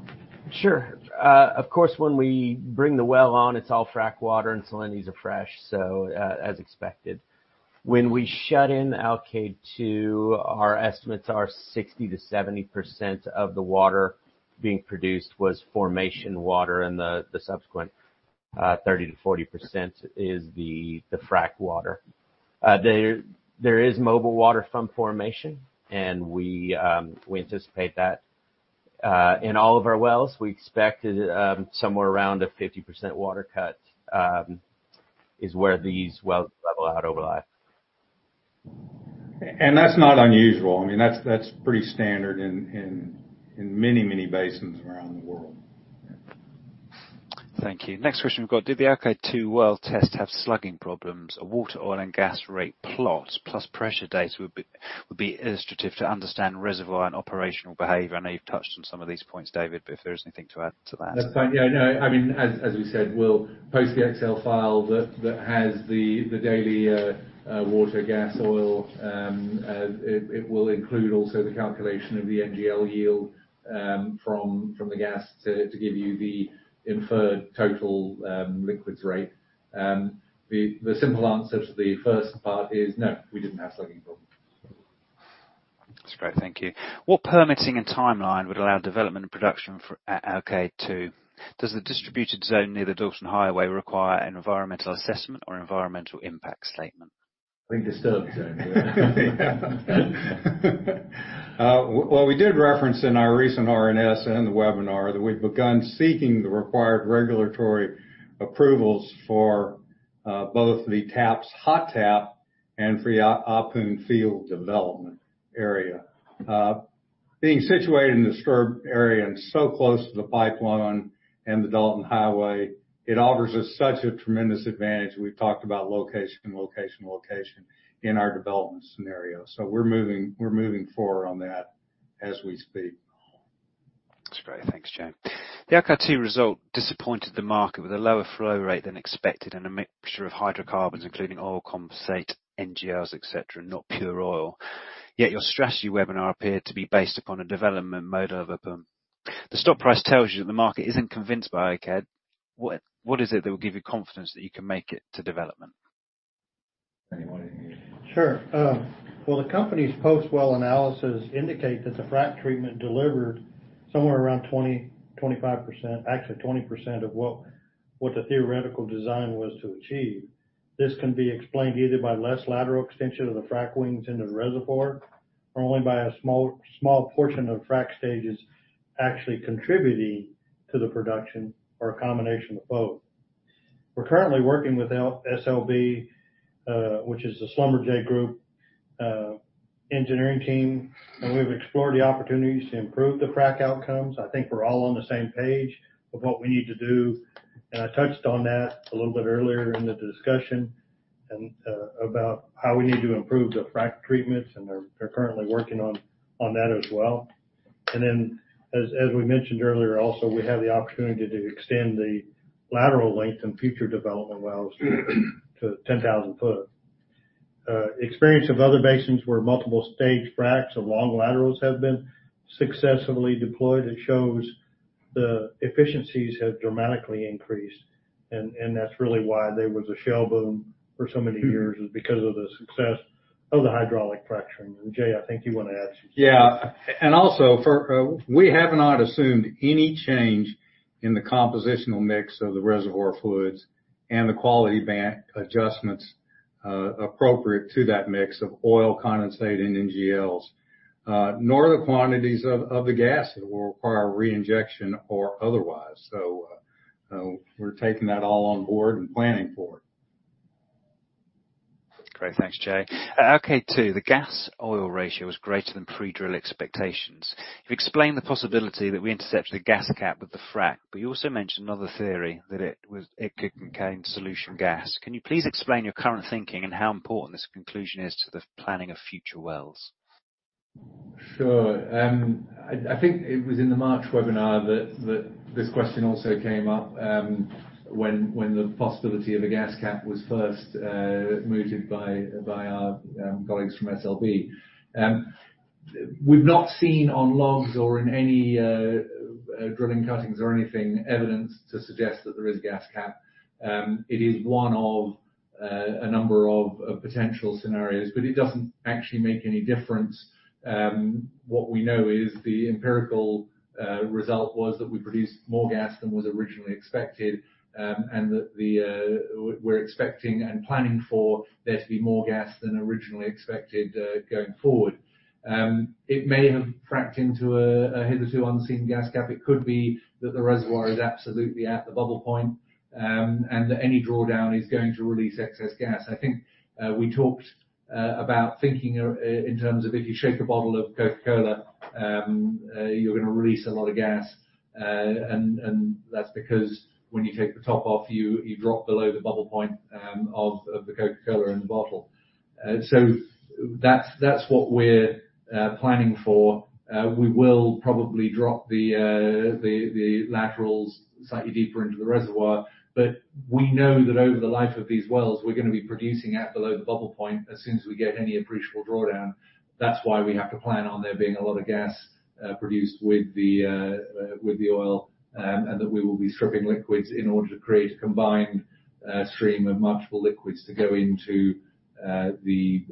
Sure. Of course, when we bring the well on, it's all frac water and salinities are fresh, so, as expected. When we shut in Alkaid-2, our estimates are 60%-70% of the water being produced was formation water, and the subsequent 30%-40% is the frac water. There is mobile water from formation, and we anticipate that. In all of our wells, we expected somewhere around a 50% water cut is where these wells level out over life. That's not unusual. I mean, that's pretty standard in many basins around the world. Thank you. Next question we've got. Did the Alkaid-2 well test have slugging problems? A water, oil, and gas rate plot plus pressure data would be illustrative to understand reservoir and operational behavior. I know you've touched on some of these points, David, but if there is anything to add to that. Yeah. No. I mean, as we said, we'll post the Excel file that has the daily water, gas, oil. It will include also the calculation of the NGL yield from the gas to give you the inferred total liquids rate. The simple answer to the first part is no, we didn't have slugging problems. That's great. Thank you. What permitting and timeline would allow development and production for Alkaid-2? Does the disturbed zone near the Dalton Highway require an environmental assessment or environmental impact statement? Well, we did reference in our recent RNS and the webinar that we've begun seeking the required regulatory approvals for both the TAPS hot tap and for Ahpun Field development area. Being situated in the disturbed area and so close to the pipeline and the Dalton Highway, it offers us such a tremendous advantage. We've talked about location, location in our development scenario. We're moving forward on that as we speak. That's great. Thanks, Jay. The Alkaid-2 result disappointed the market with a lower flow rate than expected and a mixture of hydrocarbons, including oil condensate, NGLs, et cetera, not pure oil. Yet your strategy webinar appeared to be based upon a development mode of a boom. The stock price tells you that the market isn't convinced by Alkaid. What is it that will give you confidence that you can make it to development? Anybody. Sure. Well, the company's post-well analysis indicate that the frack treatment delivered somewhere around 20%-25%. Actually, 20% of what the theoretical design was to achieve. This can be explained either by less lateral extension of the frack wings into the reservoir or only by a small portion of frack stages actually contributing to the production or a combination of both. We're currently working with SLB, which is the Schlumberger Group, engineering team, and we've explored the opportunities to improve the frack outcomes. I think we're all on the same page of what we need to do, and I touched on that a little bit earlier in the discussion and about how we need to improve the frack treatments, and they're currently working on that as well. As we mentioned earlier, also, we have the opportunity to extend the lateral length in future development wells to 10,000 feet. The experience of other basins where multiple stage fracks of long laterals have been successfully deployed, it shows the efficiencies have dramatically increased. That's really why there was a shale boom for so many years, is because of the success of the hydraulic fracturing. Jay, I think you want to add something. We have not assumed any change in the compositional mix of the reservoir fluids and the quality bank adjustments appropriate to that mix of oil condensate and NGLs, nor the quantities of the gas that will require reinjection or otherwise. We're taking that all on board and planning for it. Great. Thanks, Jay. Alkaid-2, the gas oil ratio was greater than pre-drill expectations. You've explained the possibility that we intercept the gas cap with the frack, but you also mentioned another theory that it was, it could contain solution gas. Can you please explain your current thinking and how important this conclusion is to the planning of future wells? Sure. I think it was in the March webinar that this question also came up, when the possibility of a gas cap was first mooted by our colleagues from SLB. We've not seen on logs or in any drilling cuttings or anything, evidence to suggest that there is gas cap. It is 1 of a number of potential scenarios, but it doesn't actually make any difference. What we know is the empirical result was that we produced more gas than was originally expected, and that we're expecting and planning for there to be more gas than originally expected, going forward. It may have fracked into a hitherto unseen gas cap. It could be that the reservoir is absolutely at the bubble point, and that any drawdown is going to release excess gas. I think we talked about thinking in terms of if you shake a bottle of Coca-Cola, you're going to release a lot of gas. And that's because when you take the top off, you drop below the bubble point of the Coca-Cola in the bottle. So that's what we're planning for. We will probably drop the laterals slightly deeper into the reservoir, but we know that over the life of these wells, we're going to be producing at below the bubble point as soon as we get any appreciable drawdown. That's why we have to plan on there being a lot of gas produced with the oil, and that we will be stripping liquids in order to create a combined stream of multiple liquids to go into the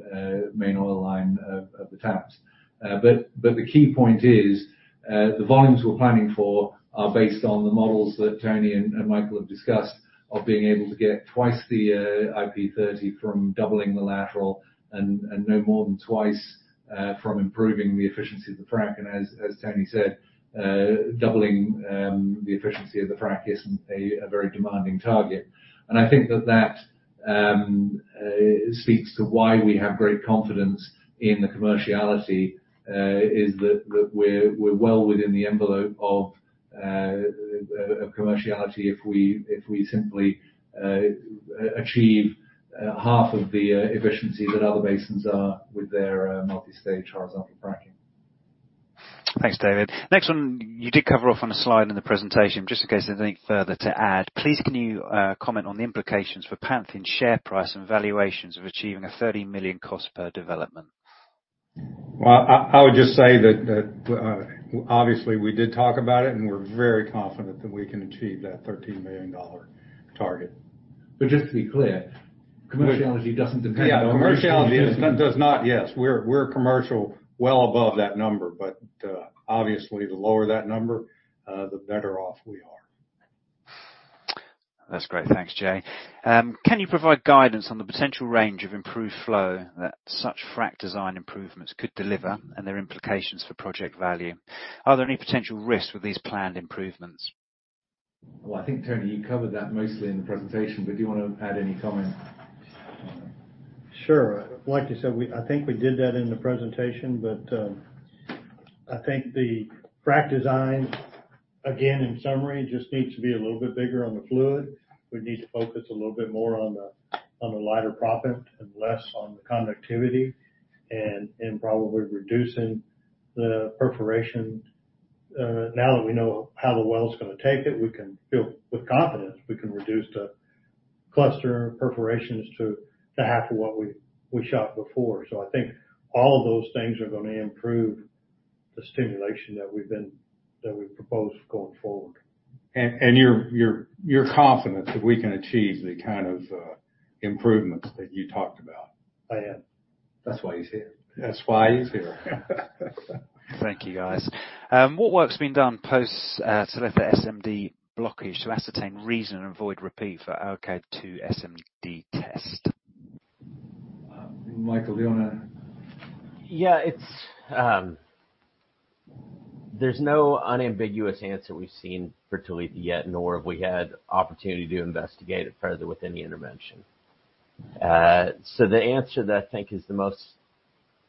main oil line of TAPS. The key point is the volumes we're planning for are based on the models that Tony and Michael have discussed of being able to get twice the IP 30 from doubling the lateral and no more than twice from improving the efficiency of the frac. As Tony said, doubling the efficiency of the frac isn't a very demanding target. I think that speaks to why we have great confidence in the commerciality is that we're well within the envelope of commerciality if we simply achieve half of the efficiency that other basins are with their multi-stage horizontal fracking. Thanks, David. Next 1, you did cover off on a slide in the presentation. Just in case there's anything further to add, please can you comment on the implications for Pantheon's share price and valuations of achieving a $30 million cost per development? Well, I would just say that, obviously we did talk about it, and we're very confident that we can achieve that $13 million target. Just to be clear, commerciality doesn't depend on. Yeah. Commerciality does not. Yes. We're commercially well above that number, but obviously, the lower that number, the better off we are. That's great. Thanks, Jay. Can you provide guidance on the potential range of improved flow that such frac design improvements could deliver and their implications for project value? Are there any potential risks with these planned improvements? Well, I think, Tony, you covered that mostly in the presentation, but do you want to add any comment? Sure. Like you said, I think we did that in the presentation, but I think the frac design, again, in summary, just needs to be a little bit bigger on the fluid. We need to focus a little bit more on the lighter proppant and less on the conductivity and probably reducing the perforation. Now that we know how the well's going to take it, we can feel confident we can reduce the cluster perforations to half of what we shot before. I think all of those things are going to improve the stimulation that we've proposed going forward. You're confident that we can achieve the kind of improvements that you talked about? I am. That's why he's here. That's why he's here. Thank you, guys. What work's been done post, to lift the SMD blockage to ascertain reason and avoid repeat for Alkaid-2 SMD test? Michael, do you want to? Yeah. It's... There's no unambiguous answer we've seen for Talitha yet, nor have we had opportunity to investigate it further with any intervention. The answer that I think is the most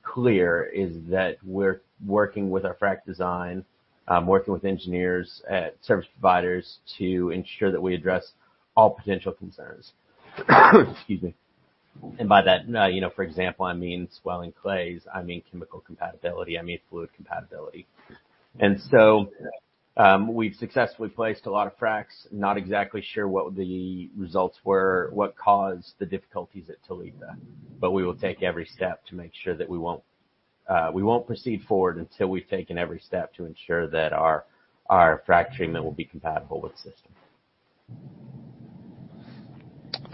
clear is that we're working with our frac design, working with engineers at service providers to ensure that we address all potential concerns. Excuse me. By that, you know, for example, I mean swelling clays. I mean chemical compatibility. I mean fluid compatibility. We've successfully placed a lot of fracs. Not exactly sure what the results were, what caused the difficulties at Talitha. We will take every step to make sure that we won't proceed forward until we've taken every step to ensure that our fracturing will be compatible with the system.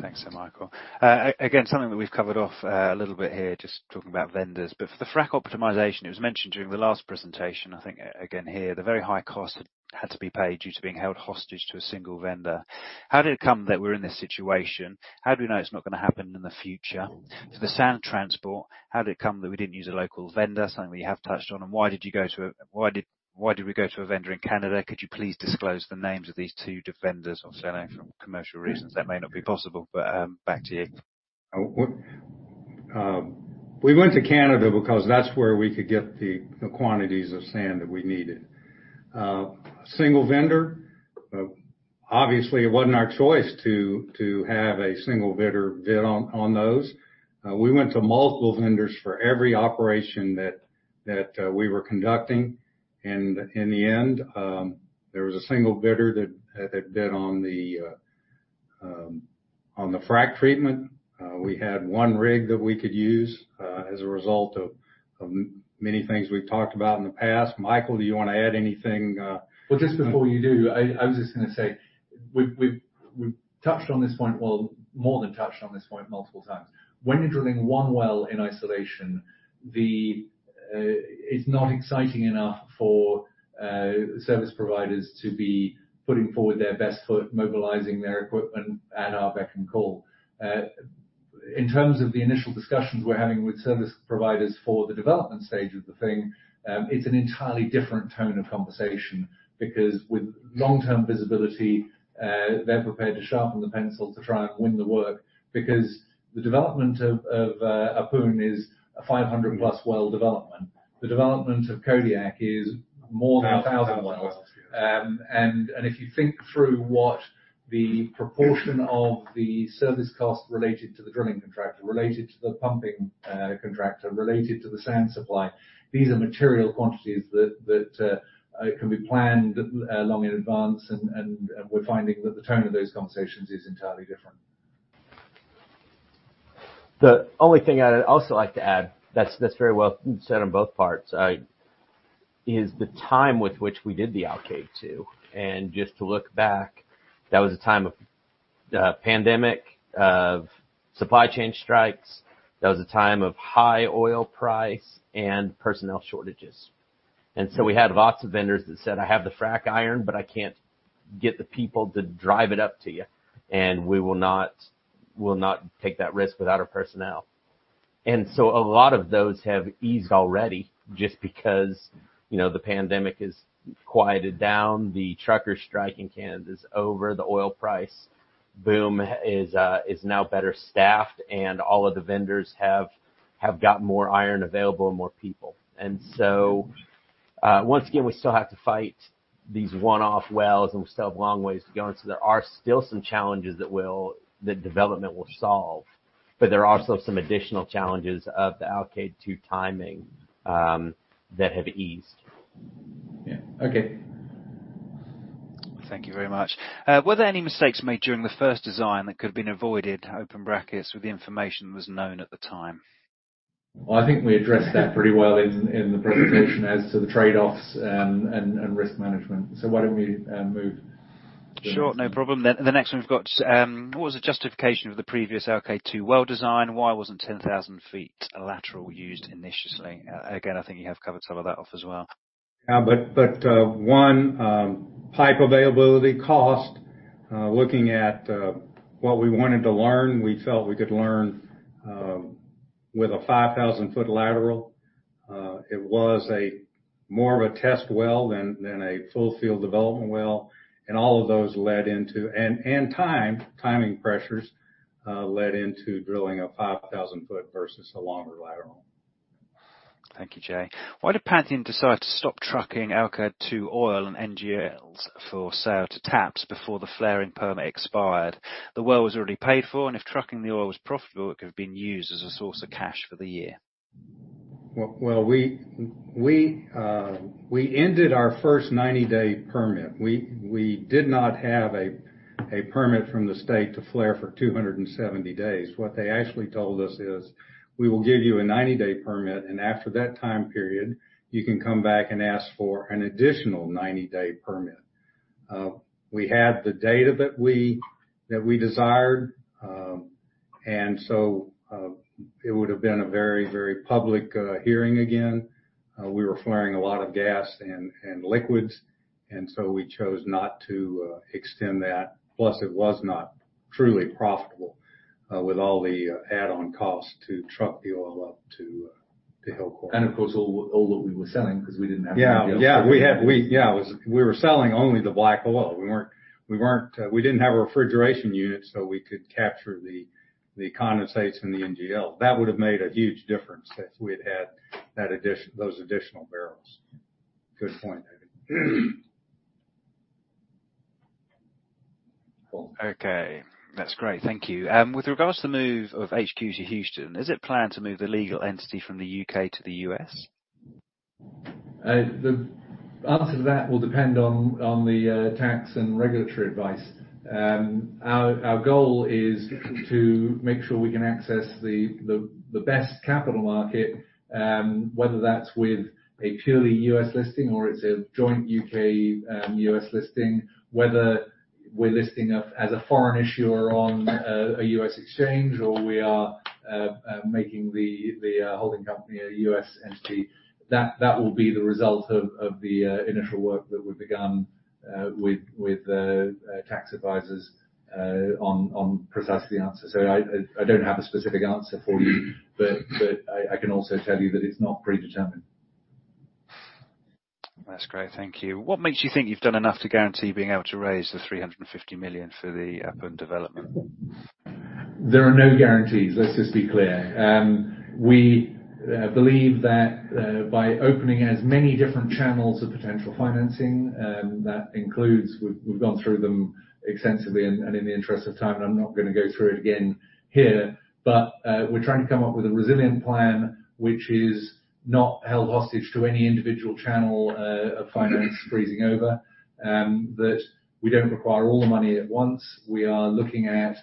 Thanks. Michael, again, something that we've covered off a little bit here, just talking about vendors. For the frac optimization, it was mentioned during the last presentation, I think again here, the very high cost had to be paid due to being held hostage to a single vendor. How did it come that we're in this situation? How do we know it's not going to happen in the future? For the sand transport, how did it come that we didn't use a local vendor, something we have touched on, and why did we go to a vendor in Canada? Could you please disclose the names of these 2 vendors? Obviously, I know for commercial reasons that may not be possible, but back to you. We went to Canada because that's where we could get the quantities of sand that we needed. Single vendor, obviously it wasn't our choice to have a single bidder bid on those. We went to multiple vendors for every operation that we were conducting. In the end, there was a single bidder that bid on the frac treatment. We had 1 rig that we could use as a result of many things we've talked about in the past. Michael, do you want to add anything? Well, just before you do, I was just going to say, we've touched on this point, well, more than touched on this point multiple times. When you're drilling 1 well in isolation, it's not exciting enough for service providers to be putting forward their best foot, mobilizing their equipment at our beck and call. In terms of the initial discussions we're having with service providers for the development stage of the thing, it's an entirely different tone of conversation because with long-term visibility, they're prepared to sharpen the pencil to try and win the work. Because the development of Ahpun is a 500+ well development. The development of Kodiak is more than 1,000 wells. If you think through what the proportion of the service cost related to the drilling contractor, related to the pumping contractor, related to the sand supply, these are material quantities that can be planned long in advance. We're finding that the tone of those conversations is entirely different. The only thing I'd also like to add, that's very well said on both parts, is the time with which we did the Alkaid-2. Just to look back, that was a time of pandemic, of supply chain strikes. That was a time of high oil price and personnel shortages. We had lots of vendors that said, "I have the frac iron, but I can't get the people to drive it up to you, and we'll not take that risk without our personnel." A lot of those have eased already just because, you know, the pandemic has quieted down, the truckers strike in Canada is over, the oil price boom is now better staffed, and all of the vendors have got more iron available and more people. Once again, we still have to fight these 1-off wells, and we still have a long ways to go. There are still some challenges that development will solve, but there are also some additional challenges of the Alkaid-2 timing that have eased. Yeah. Okay. Thank you very much. Were there any mistakes made during the first design that could have been avoided [with the information that was known at the time]? Well, I think we addressed that pretty well in the presentation as to the trade-offs, and risk management. Why don't we move? Sure. No problem. The next 1 we've got, what was the justification of the previous Alkaid-2 well design? Why wasn't 10,000 feet lateral used initially? Again, I think you have covered some of that off as well. 1 pipe availability cost, looking at what we wanted to learn, we felt we could learn with a 5,000-foot lateral. It was more of a test well than a full field development well. All of those led into timing pressures, led into drilling a 5,000 foot versus a longer lateral. Thank you, Jay. Why did Pantheon decide to stop trucking Alkaid-2 oil and NGLs for sale to TAPS before the flaring permit expired? The well was already paid for, and if trucking the oil was profitable, it could have been used as a source of cash for the year. Well, we ended our first 90-day permit. We did not have a permit from the state to flare for 270 days. What they actually told us is, "We will give you a 90-day permit, and after that time period, you can come back and ask for an additional 90-day permit." We had the data that we desired. It would have been a very public hearing again. We were flaring a lot of gas and liquids, and so we chose not to extend that. Plus, it was not truly profitable with all the add-on costs to truck the oil up to Hilcorp. Of course, all that we were selling because we didn't have NGL. Yeah, we were selling only the black oil. We weren't, we didn't have a refrigeration unit, so we could capture the condensates and the NGL. That would have made a huge difference if we'd had those additional barrels. Good point, David. Okay. That's great. Thank you. With regard to move of HQ to Houston, is it planned to move the legal entity from the U.K. to the U.S.? The answer to that will depend on the tax and regulatory advice. Our goal is to make sure we can access the best capital market, whether that's with a purely U.S. listing or it's a joint U.K. U.S. listing, whether we're listing as a foreign issuer on a U.S. exchange or we are making the holding company a U.S. entity. That will be the result of the initial work that we've begun with tax advisors on precisely the answer. I don't have a specific answer for you, but I can also tell you that it's not predetermined. That's great, thank you. What makes you think you've done enough to guarantee being able to raise the 350 million for the Ahpun development? There are no guarantees. Let's just be clear. We believe that by opening as many different channels of potential financing. We've gone through them extensively and in the interest of time, and I'm not going to go through it again here. We're trying to come up with a resilient plan which is not held hostage to any individual channel of finance freezing over. We don't require all the money at once. We are looking at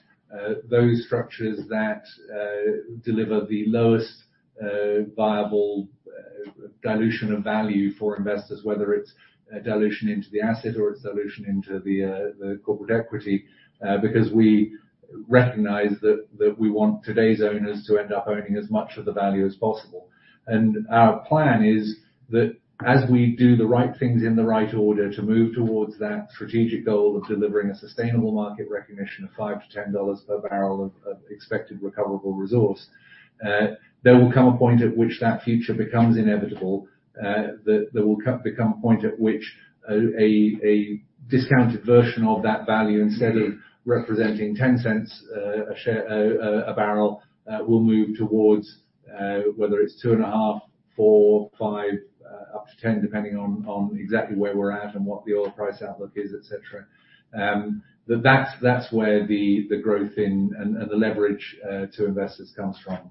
those structures that deliver the lowest viable dilution of value for investors, whether it's a dilution into the asset or it's dilution into the corporate equity. We recognize that we want today's owners to end up owning as much of the value as possible. Our plan is that as we do the right things in the right order to move towards that strategic goal of delivering a sustainable market recognition of $5-$10 per barrel of expected recoverable resource. There will come a point at which that future becomes inevitable, that there will become a point at which a discounted version of that value instead of representing $0.10 a share a barrel will move towards whether it's $2.5, $4, $5 up to $10, depending on exactly where we're at and what the oil price outlook is, et cetera. That's where the growth in and the leverage to investors comes from.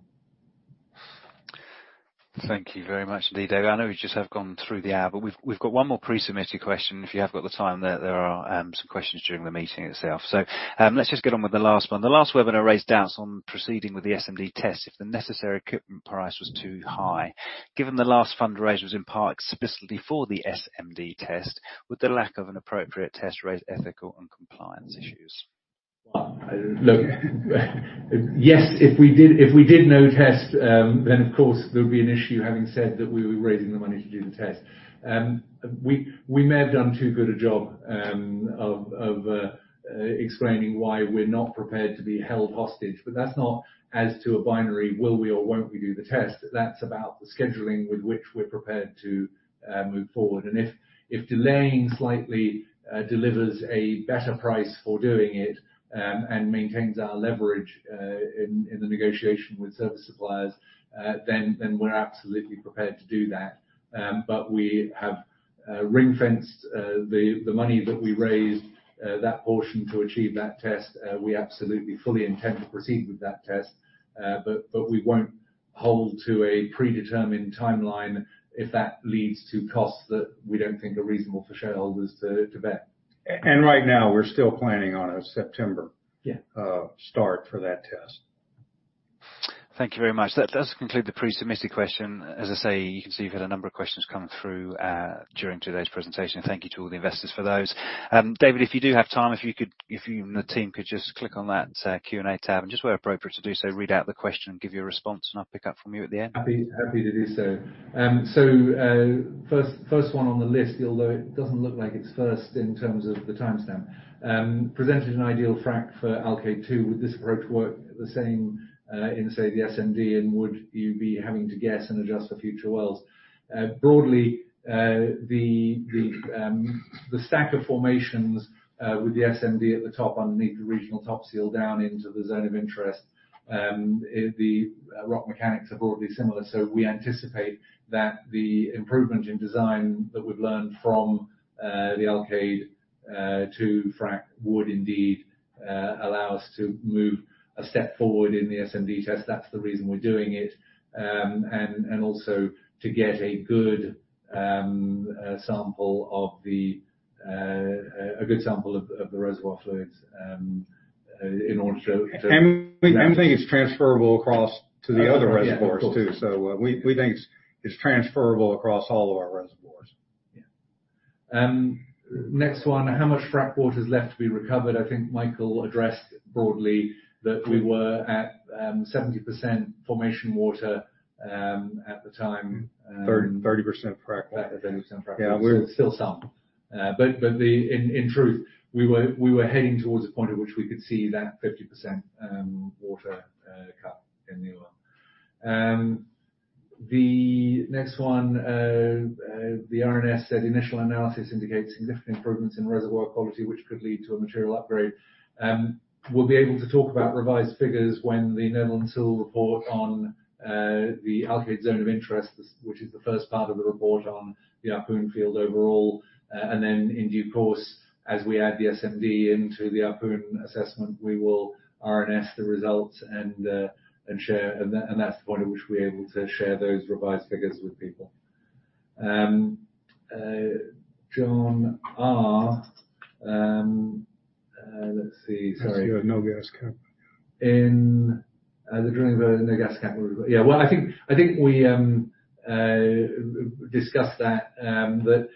Thank you very much indeed, David. I know we just have gone through the hour, but we've got 1 more pre-submitted question. If you have got the time, there are some questions during the meeting itself. Let's just get on with the last 1. The last webinar raised doubts on proceeding with the SMD test if the necessary equipment price was too high. Given the last fundraise was in part explicitly for the SMD test, would the lack of an appropriate test raise ethical and compliance issues? Well, look. Yes, if we did no test, then of course there would be an issue having said that we were raising the money to do the test. We may have done too good a job of explaining why we're not prepared to be held hostage, but that's not a binary will we or won't we do the test. That's about the scheduling with which we're prepared to move forward. If delaying slightly delivers a better price for doing it and maintains our leverage in the negotiation with service suppliers, then we're absolutely prepared to do that. We have ring-fenced the money that we raised, that portion to achieve that test. We absolutely fully intend to proceed with that test. We won't hold to a predetermined timeline if that leads to costs that we don't think are reasonable for shareholders to bear. Right now, we're still planning on a September. Yeah. Start for that test. Thank you very much. That does conclude the pre-submitted question. As I say, you can see you've had a number of questions come through during today's presentation. Thank you to all the investors for those. David, if you do have time, if you and the team could just click on that Q&A tab and just where appropriate to do so, read out the question and give your response, and I'll pick up from you at the end. Happy to do so. First 1 on the list, although it doesn't look like it's first in terms of the timestamp. Presented an ideal frack for Alkaid-2. Would this approach work the same in, say, the SMD and would you be having to guess and adjust for future wells? Broadly, the stack of formations with the SMD at the top underneath the regional top seal down into the zone of interest. The rock mechanics are broadly similar, so we anticipate that the improvement in design that we've learned from the Alkaid-2 frack would indeed allow us to move a step forward in the SMD test. That's the reason we're doing it. To get a good sample of the reservoir fluids in order to- We think it's transferable across to the other reservoirs too. Yeah, of course. We think it's transferable across all of our reservoirs. Yeah. Next 1. How much frack water is left to be recovered? I think Michael addressed broadly that we were at 70% formation water at the time. 30% frac water. 30% frac water. Yeah. We're still some. In truth, we were heading towards a point at which we could see that 50% water cut in the oil. The next 1. The RNS said initial analysis indicates significant improvements in reservoir quality, which could lead to a material upgrade. We'll be able to talk about revised figures when the Netherland, Sewell & Associates report on the Alkaid zone of interest, which is the first part of the report on the Ahpun field overall. In due course, as we add the SMD into the Ahpun assessment, we will RNS the results and share. That's the point at which we're able to share those revised figures with people. John R. Let's see. Sorry. That's your no gas cap. In the drilling, no gas cap. Yeah. Well, I think we discussed that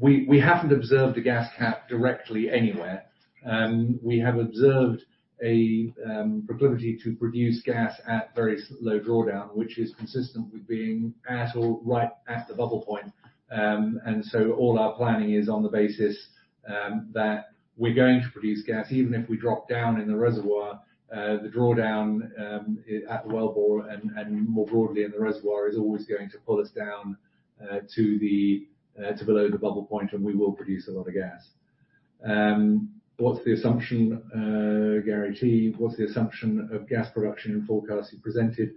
we haven't observed a gas cap directly anywhere. We have observed a proclivity to produce gas at very low drawdown, which is consistent with being at or right at the bubble point. All our planning is on the basis that we're going to produce gas, even if we drop down in the reservoir. The drawdown at the wellbore and more broadly in the reservoir is always going to pull us down to below the bubble point, and we will produce a lot of gas. What's the assumption, Gary T, of gas production in the forecasts you presented?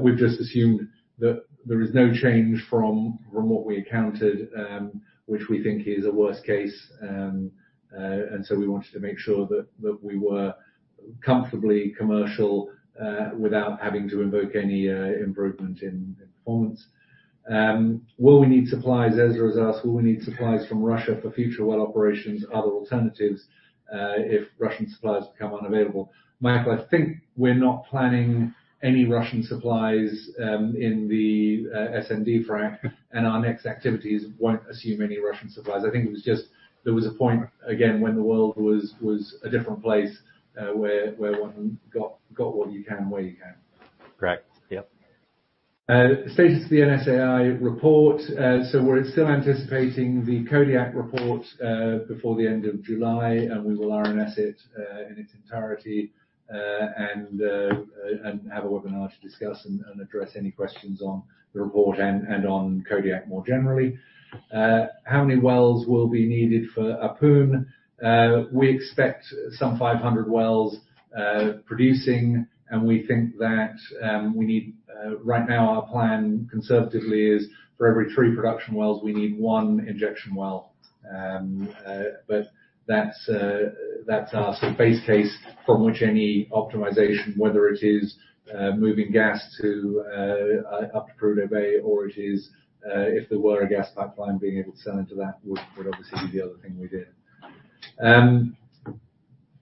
We've just assumed that there is no change from what we accounted, which we think is a worst case. We wanted to make sure that we were comfortably commercial without having to invoke any improvement in performance. Will we need supplies? Ezra has asked, will we need supplies from Russia for future well operations, are there alternatives, if Russian suppliers become unavailable? Michael, I think we're not planning any Russian supplies in the SMD frack, and our next activities won't assume any Russian supplies. I think it was just there was a point, again, when the world was a different place, where 1 got what you can, where you can. Correct. Yep. Status of the NSAI report. We're still anticipating the Kodiak report before the end of July, and we will RNS it in its entirety. We will have a webinar to discuss and address any questions on the report and on Kodiak more generally. How many wells will be needed for Ahpun? We expect some 500 wells producing, and we think that we need right now our plan conservatively is for every 3 production wells, we need 1 injection well. That's our sort of base case from which any optimization, whether it is moving gas up to Prudhoe Bay or it is if there were a gas pipeline, being able to sell into that would obviously be the other thing we did.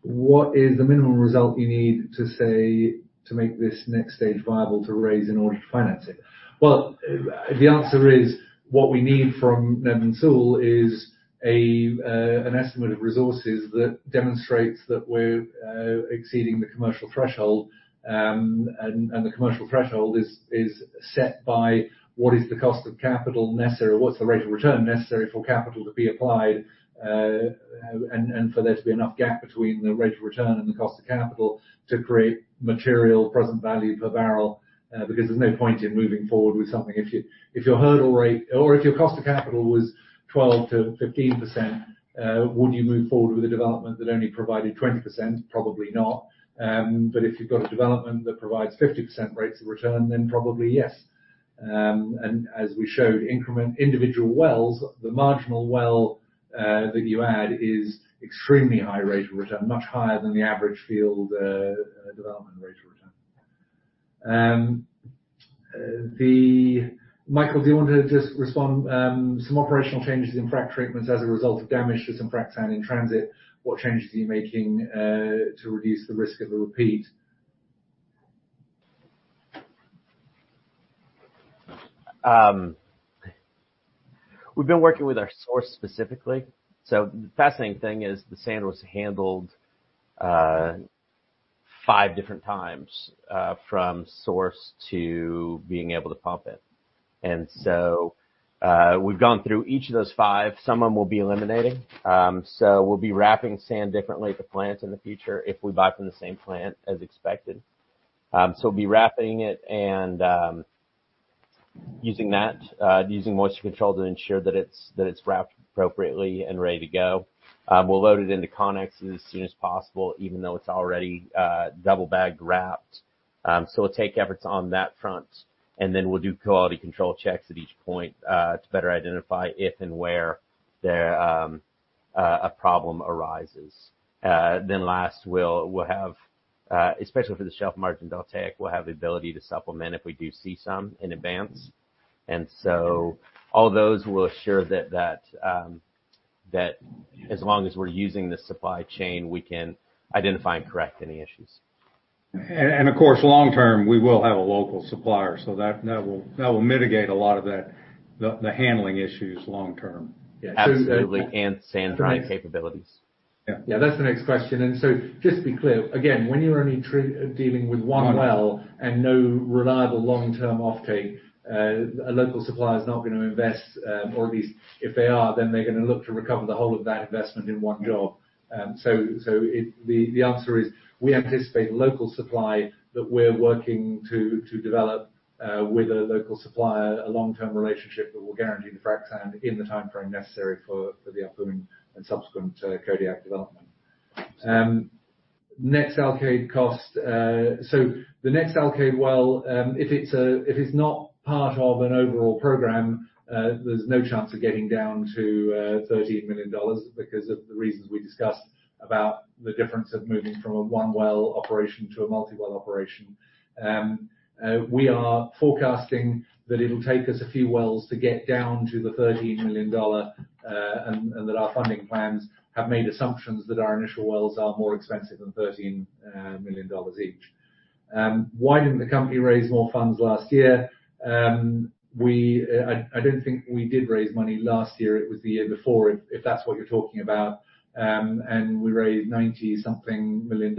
What is the minimum result you need to say to make this next stage viable to raise in order to finance it? Well, the answer is what we need from Netherland, Sewell is an estimate of resources that demonstrates that we're exceeding the commercial threshold. The commercial threshold is set by what is the cost of capital necessary, what's the rate of return necessary for capital to be applied, and for there to be enough gap between the rate of return and the cost of capital to create material present value per barrel. Because there's no point in moving forward with something if you, if your hurdle rate or if your cost of capital was 12%-15%, would you move forward with a development that only provided 20%? Probably not. If you've got a development that provides 50% rates of return, then probably yes. As we showed in individual wells, the marginal well that you add is extremely high rate of return, much higher than the average field development rate of return. Michael, do you want to just respond to some operational changes in frac treatments as a result of damage to some frac sand in transit? What changes are you making to reduce the risk of a repeat? We've been working with our source specifically. The fascinating thing is the sand was handled 5 different times from source to being able to pump it. We've gone through each of those 5. Some of them we'll be eliminating. We'll be wrapping sand differently at the plant in the future if we buy from the same plant as expected. We'll be wrapping it and using moisture control to ensure that it's wrapped appropriately and ready to go. We'll load it into CONEX as soon as possible, even though it's already double bagged, wrapped. We'll take efforts on that front, and then we'll do quality control checks at each point to better identify if and where there a problem arises. Last, we'll have especially for the shelf margin delta, we'll have the ability to supplement if we do see some in advance. All those will assure that as long as we're using the supply chain, we can identify and correct any issues. Of course, long term, we will have a local supplier. That will mitigate a lot of the handling issues long term. Absolutely. Sand drying capabilities. Yeah. Yeah, that's the next question. Just to be clear, again, when you're only dealing with 1 well and no reliable long-term offtake, a local supplier is not going to invest. At least if they are, then they're going to look to recover the whole of that investment in 1 job. The answer is we anticipate local supply that we're working to develop with a local supplier, a long-term relationship that will guarantee the frac sand in the timeframe necessary for the upcoming and subsequent Kodiak development. Next Alkaid cost. The next Alkaid well, if it's not part of an overall program, there's no chance of getting down to $13 million because of the reasons we discussed about the difference of moving from a 1-well operation to a multi-well operation. We are forecasting that it'll take us a few wells to get down to the $13 million, and that our funding plans have made assumptions that our initial wells are more expensive than $13 million each. Why didn't the company raise more funds last year? I don't think we did raise money last year. It was the year before, if that's what you're talking about. We raised $90-something million.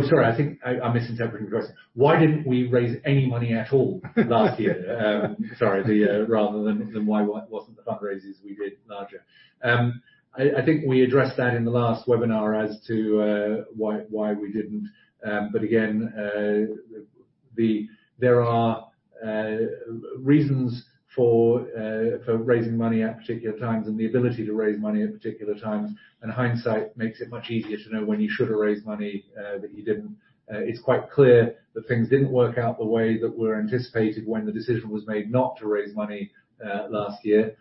Sorry. I think I misinterpreted the question. Why didn't we raise any money at all last year? Rather than why wasn't the fundraises we did larger. I think we addressed that in the last webinar as to why we didn't. There are reasons for raising money at particular times and the ability to raise money at particular times. Hindsight makes it much easier to know when you should have raised money, but you didn't. It's quite clear that things didn't work out the way that were anticipated when the decision was made not to raise money last year.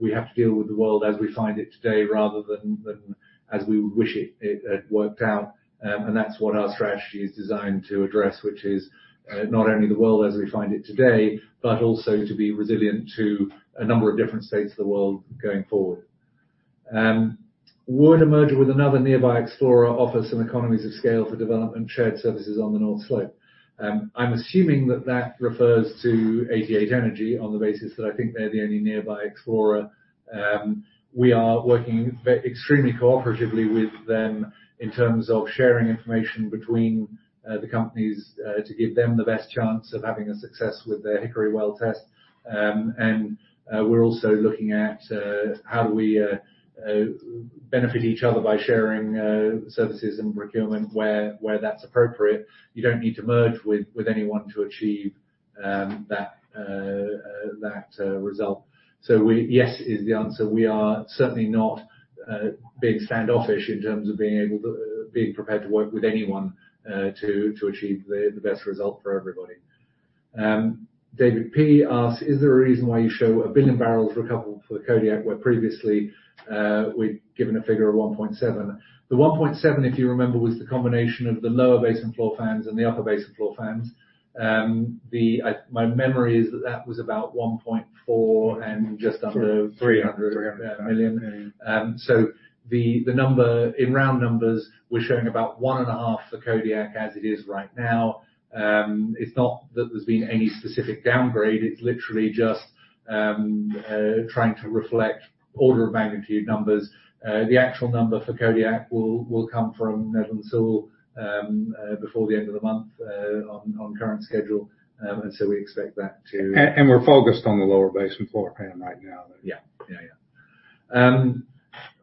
We have to deal with the world as we find it today, rather than as we wish it had worked out. That's what our strategy is designed to address, which is not only the world as we find it today, but also to be resilient to a number of different states of the world going forward. Would a merger with another nearby explorer offer some economies of scale for development and shared services on the North Slope? I'm assuming that refers to 88 Energy on the basis that I think they're the only nearby explorer. We are working extremely cooperatively with them in terms of sharing information between the companies to give them the best chance of having a success with their Hickory well test. We're also looking at how do we benefit each other by sharing services and procurement where that's appropriate. You don't need to merge with anyone to achieve that result. Yes is the answer. We are certainly not being standoffish in terms of being prepared to work with anyone to achieve the best result for everybody. David P. asks, "Is there a reason why you show 1 billion barrels recoverable for Kodiak, where previously we'd given a figure of 1.7?" The 1.7, if you remember, was the combination of the lower basin floor fans and the upper basin floor fans. My memory is that that was about 1.4 and just under 300- 300. -million. So the number, in round numbers, we're showing about 1.5 for Kodiak as it is right now. It's not that there's been any specific downgrade. It's literally just trying to reflect order of magnitude numbers. The actual number for Kodiak will come from Netherland and Sewell before the end of the month on current schedule. We expect that to- We're focused on the lower basin floor fan right now. Yeah,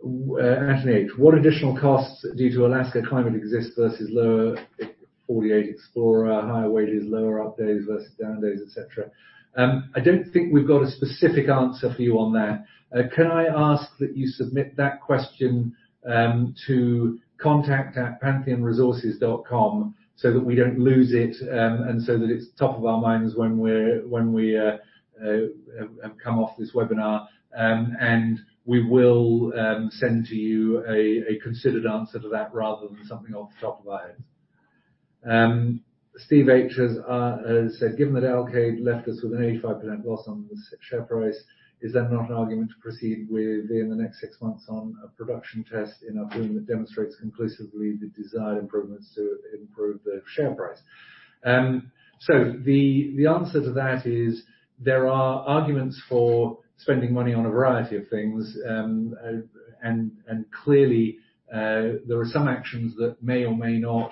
Anthony H, "What additional costs due to Alaska climate exists versus lower 48 explorer, higher wages, lower up days versus down days, et cetera?" I don't think we've got a specific answer for you on that. Can I ask that you submit that question to contact@pantheonresources.com so that we don't lose it, and so that it's top of our minds when we have come off this webinar. We will send to you a considered answer to that rather than something off the top of our heads. Steve H has said, "Given that Alkaid left us with an 85% loss on the share price, is that not an argument to proceed within the next 6 months on a production test in our pool that demonstrates conclusively the desired improvements to improve the share price?" The answer to that is there are arguments for spending money on a variety of things. Clearly, there are some actions that may or may not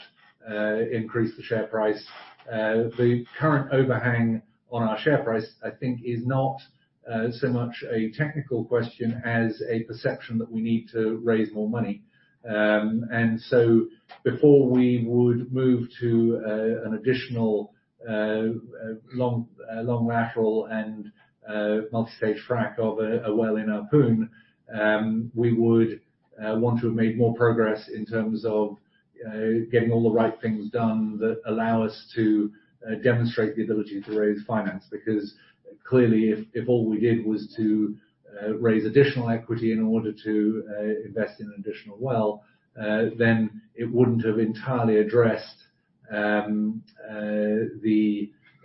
increase the share price. The current overhang on our share price, I think, is not so much a technical question as a perception that we need to raise more money. Before we would move to an additional long lateral and multi-stage frack of a well in our pool, we would want to have made more progress in terms of getting all the right things done that allow us to demonstrate the ability to raise finance. Because clearly if all we did was to raise additional equity in order to invest in an additional well, then it wouldn't have entirely addressed 1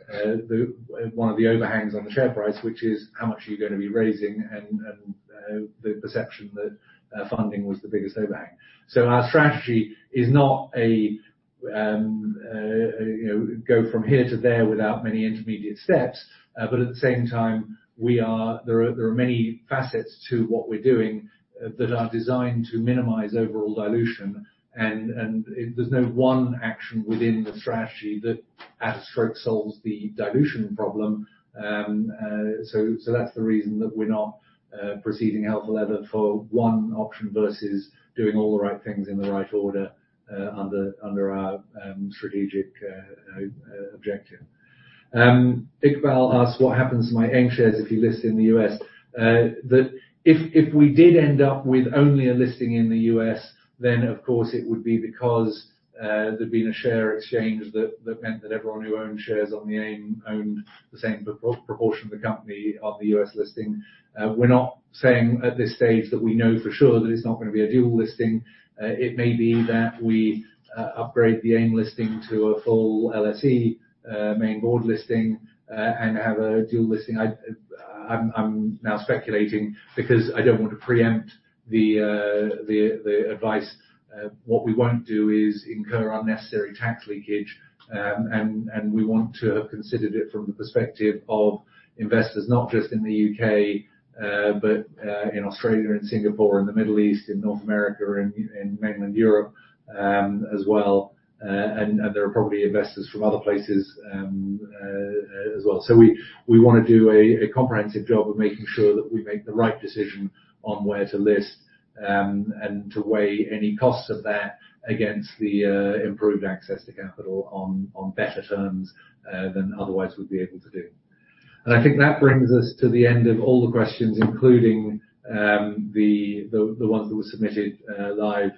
of the overhangs on the share price, which is how much are you going to be raising, and the perception that funding was the biggest overhang. Our strategy is not you know go from here to there without many intermediate steps. At the same time, there are many facets to what we're doing that are designed to minimize overall dilution. There's no 1 action within the strategy that at a stroke solves the dilution problem. That's the reason that we're not proceeding hell for leather for 1 option versus doing all the right things in the right order under our strategic objective. Iqbal asks, "What happens to my AIM shares if you list in the U.S.?" If we did end up with only a listing in the U.S., then of course it would be because there'd been a share exchange that meant that everyone who owned shares on the AIM owned the same proportion of the company on the U.S. listing. We're not saying at this stage that we know for sure that it's not going to be a dual listing. It may be that we upgrade the AIM listing to a full LSE main board listing and have a dual listing. I'm now speculating because I don't want to pre-empt the advice. What we won't do is incur unnecessary tax leakage. We want to have considered it from the perspective of investors, not just in the U.K., but in Australia and Singapore and the Middle East and North America or in mainland Europe, as well. There are probably investors from other places, as well. We want to do a comprehensive job of making sure that we make the right decision on where to list, and to weigh any costs of that against the improved access to capital on better terms than otherwise we'd be able to do. I think that brings us to the end of all the questions, including the ones that were submitted live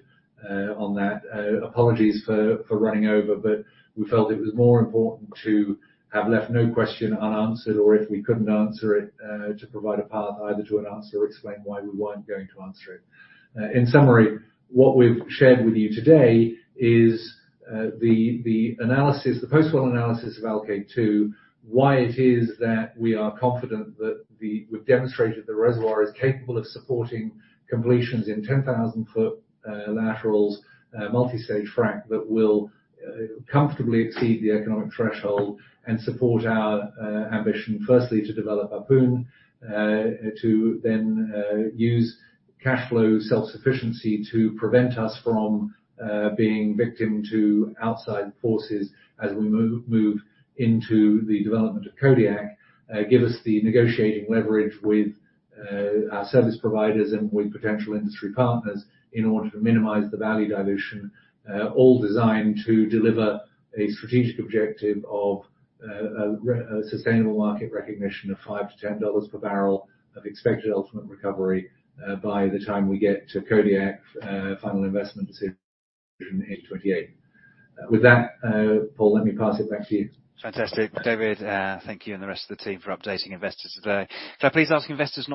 on that. Apologies for running over, but we felt it was more important to have left no question unanswered, or if we couldn't answer it, to provide a path either to an answer or explain why we weren't going to answer it. In summary, what we've shared with you today is the analysis, the post-well analysis of Alkaid-2, why it is that we are confident that we've demonstrated the reservoir is capable of supporting completions in 10,000-foot laterals, multi-stage frack that will comfortably exceed the economic threshold and support our ambition, firstly, to develop our pool, to then use cash flow self-sufficiency to prevent us from being victim to outside forces as we move into the development of Kodiak. Give us the negotiating leverage with our service providers and with potential industry partners in order to minimize the value dilution. All designed to deliver a strategic objective of a sustainable market recognition of $5-$10 per barrel of expected ultimate recovery by the time we get to Kodiak final investment decision in 2028. With that, Paul, let me pass it back to you. Fantastic. David, thank you and the rest of the team for updating investors today. Can I please ask investors not to-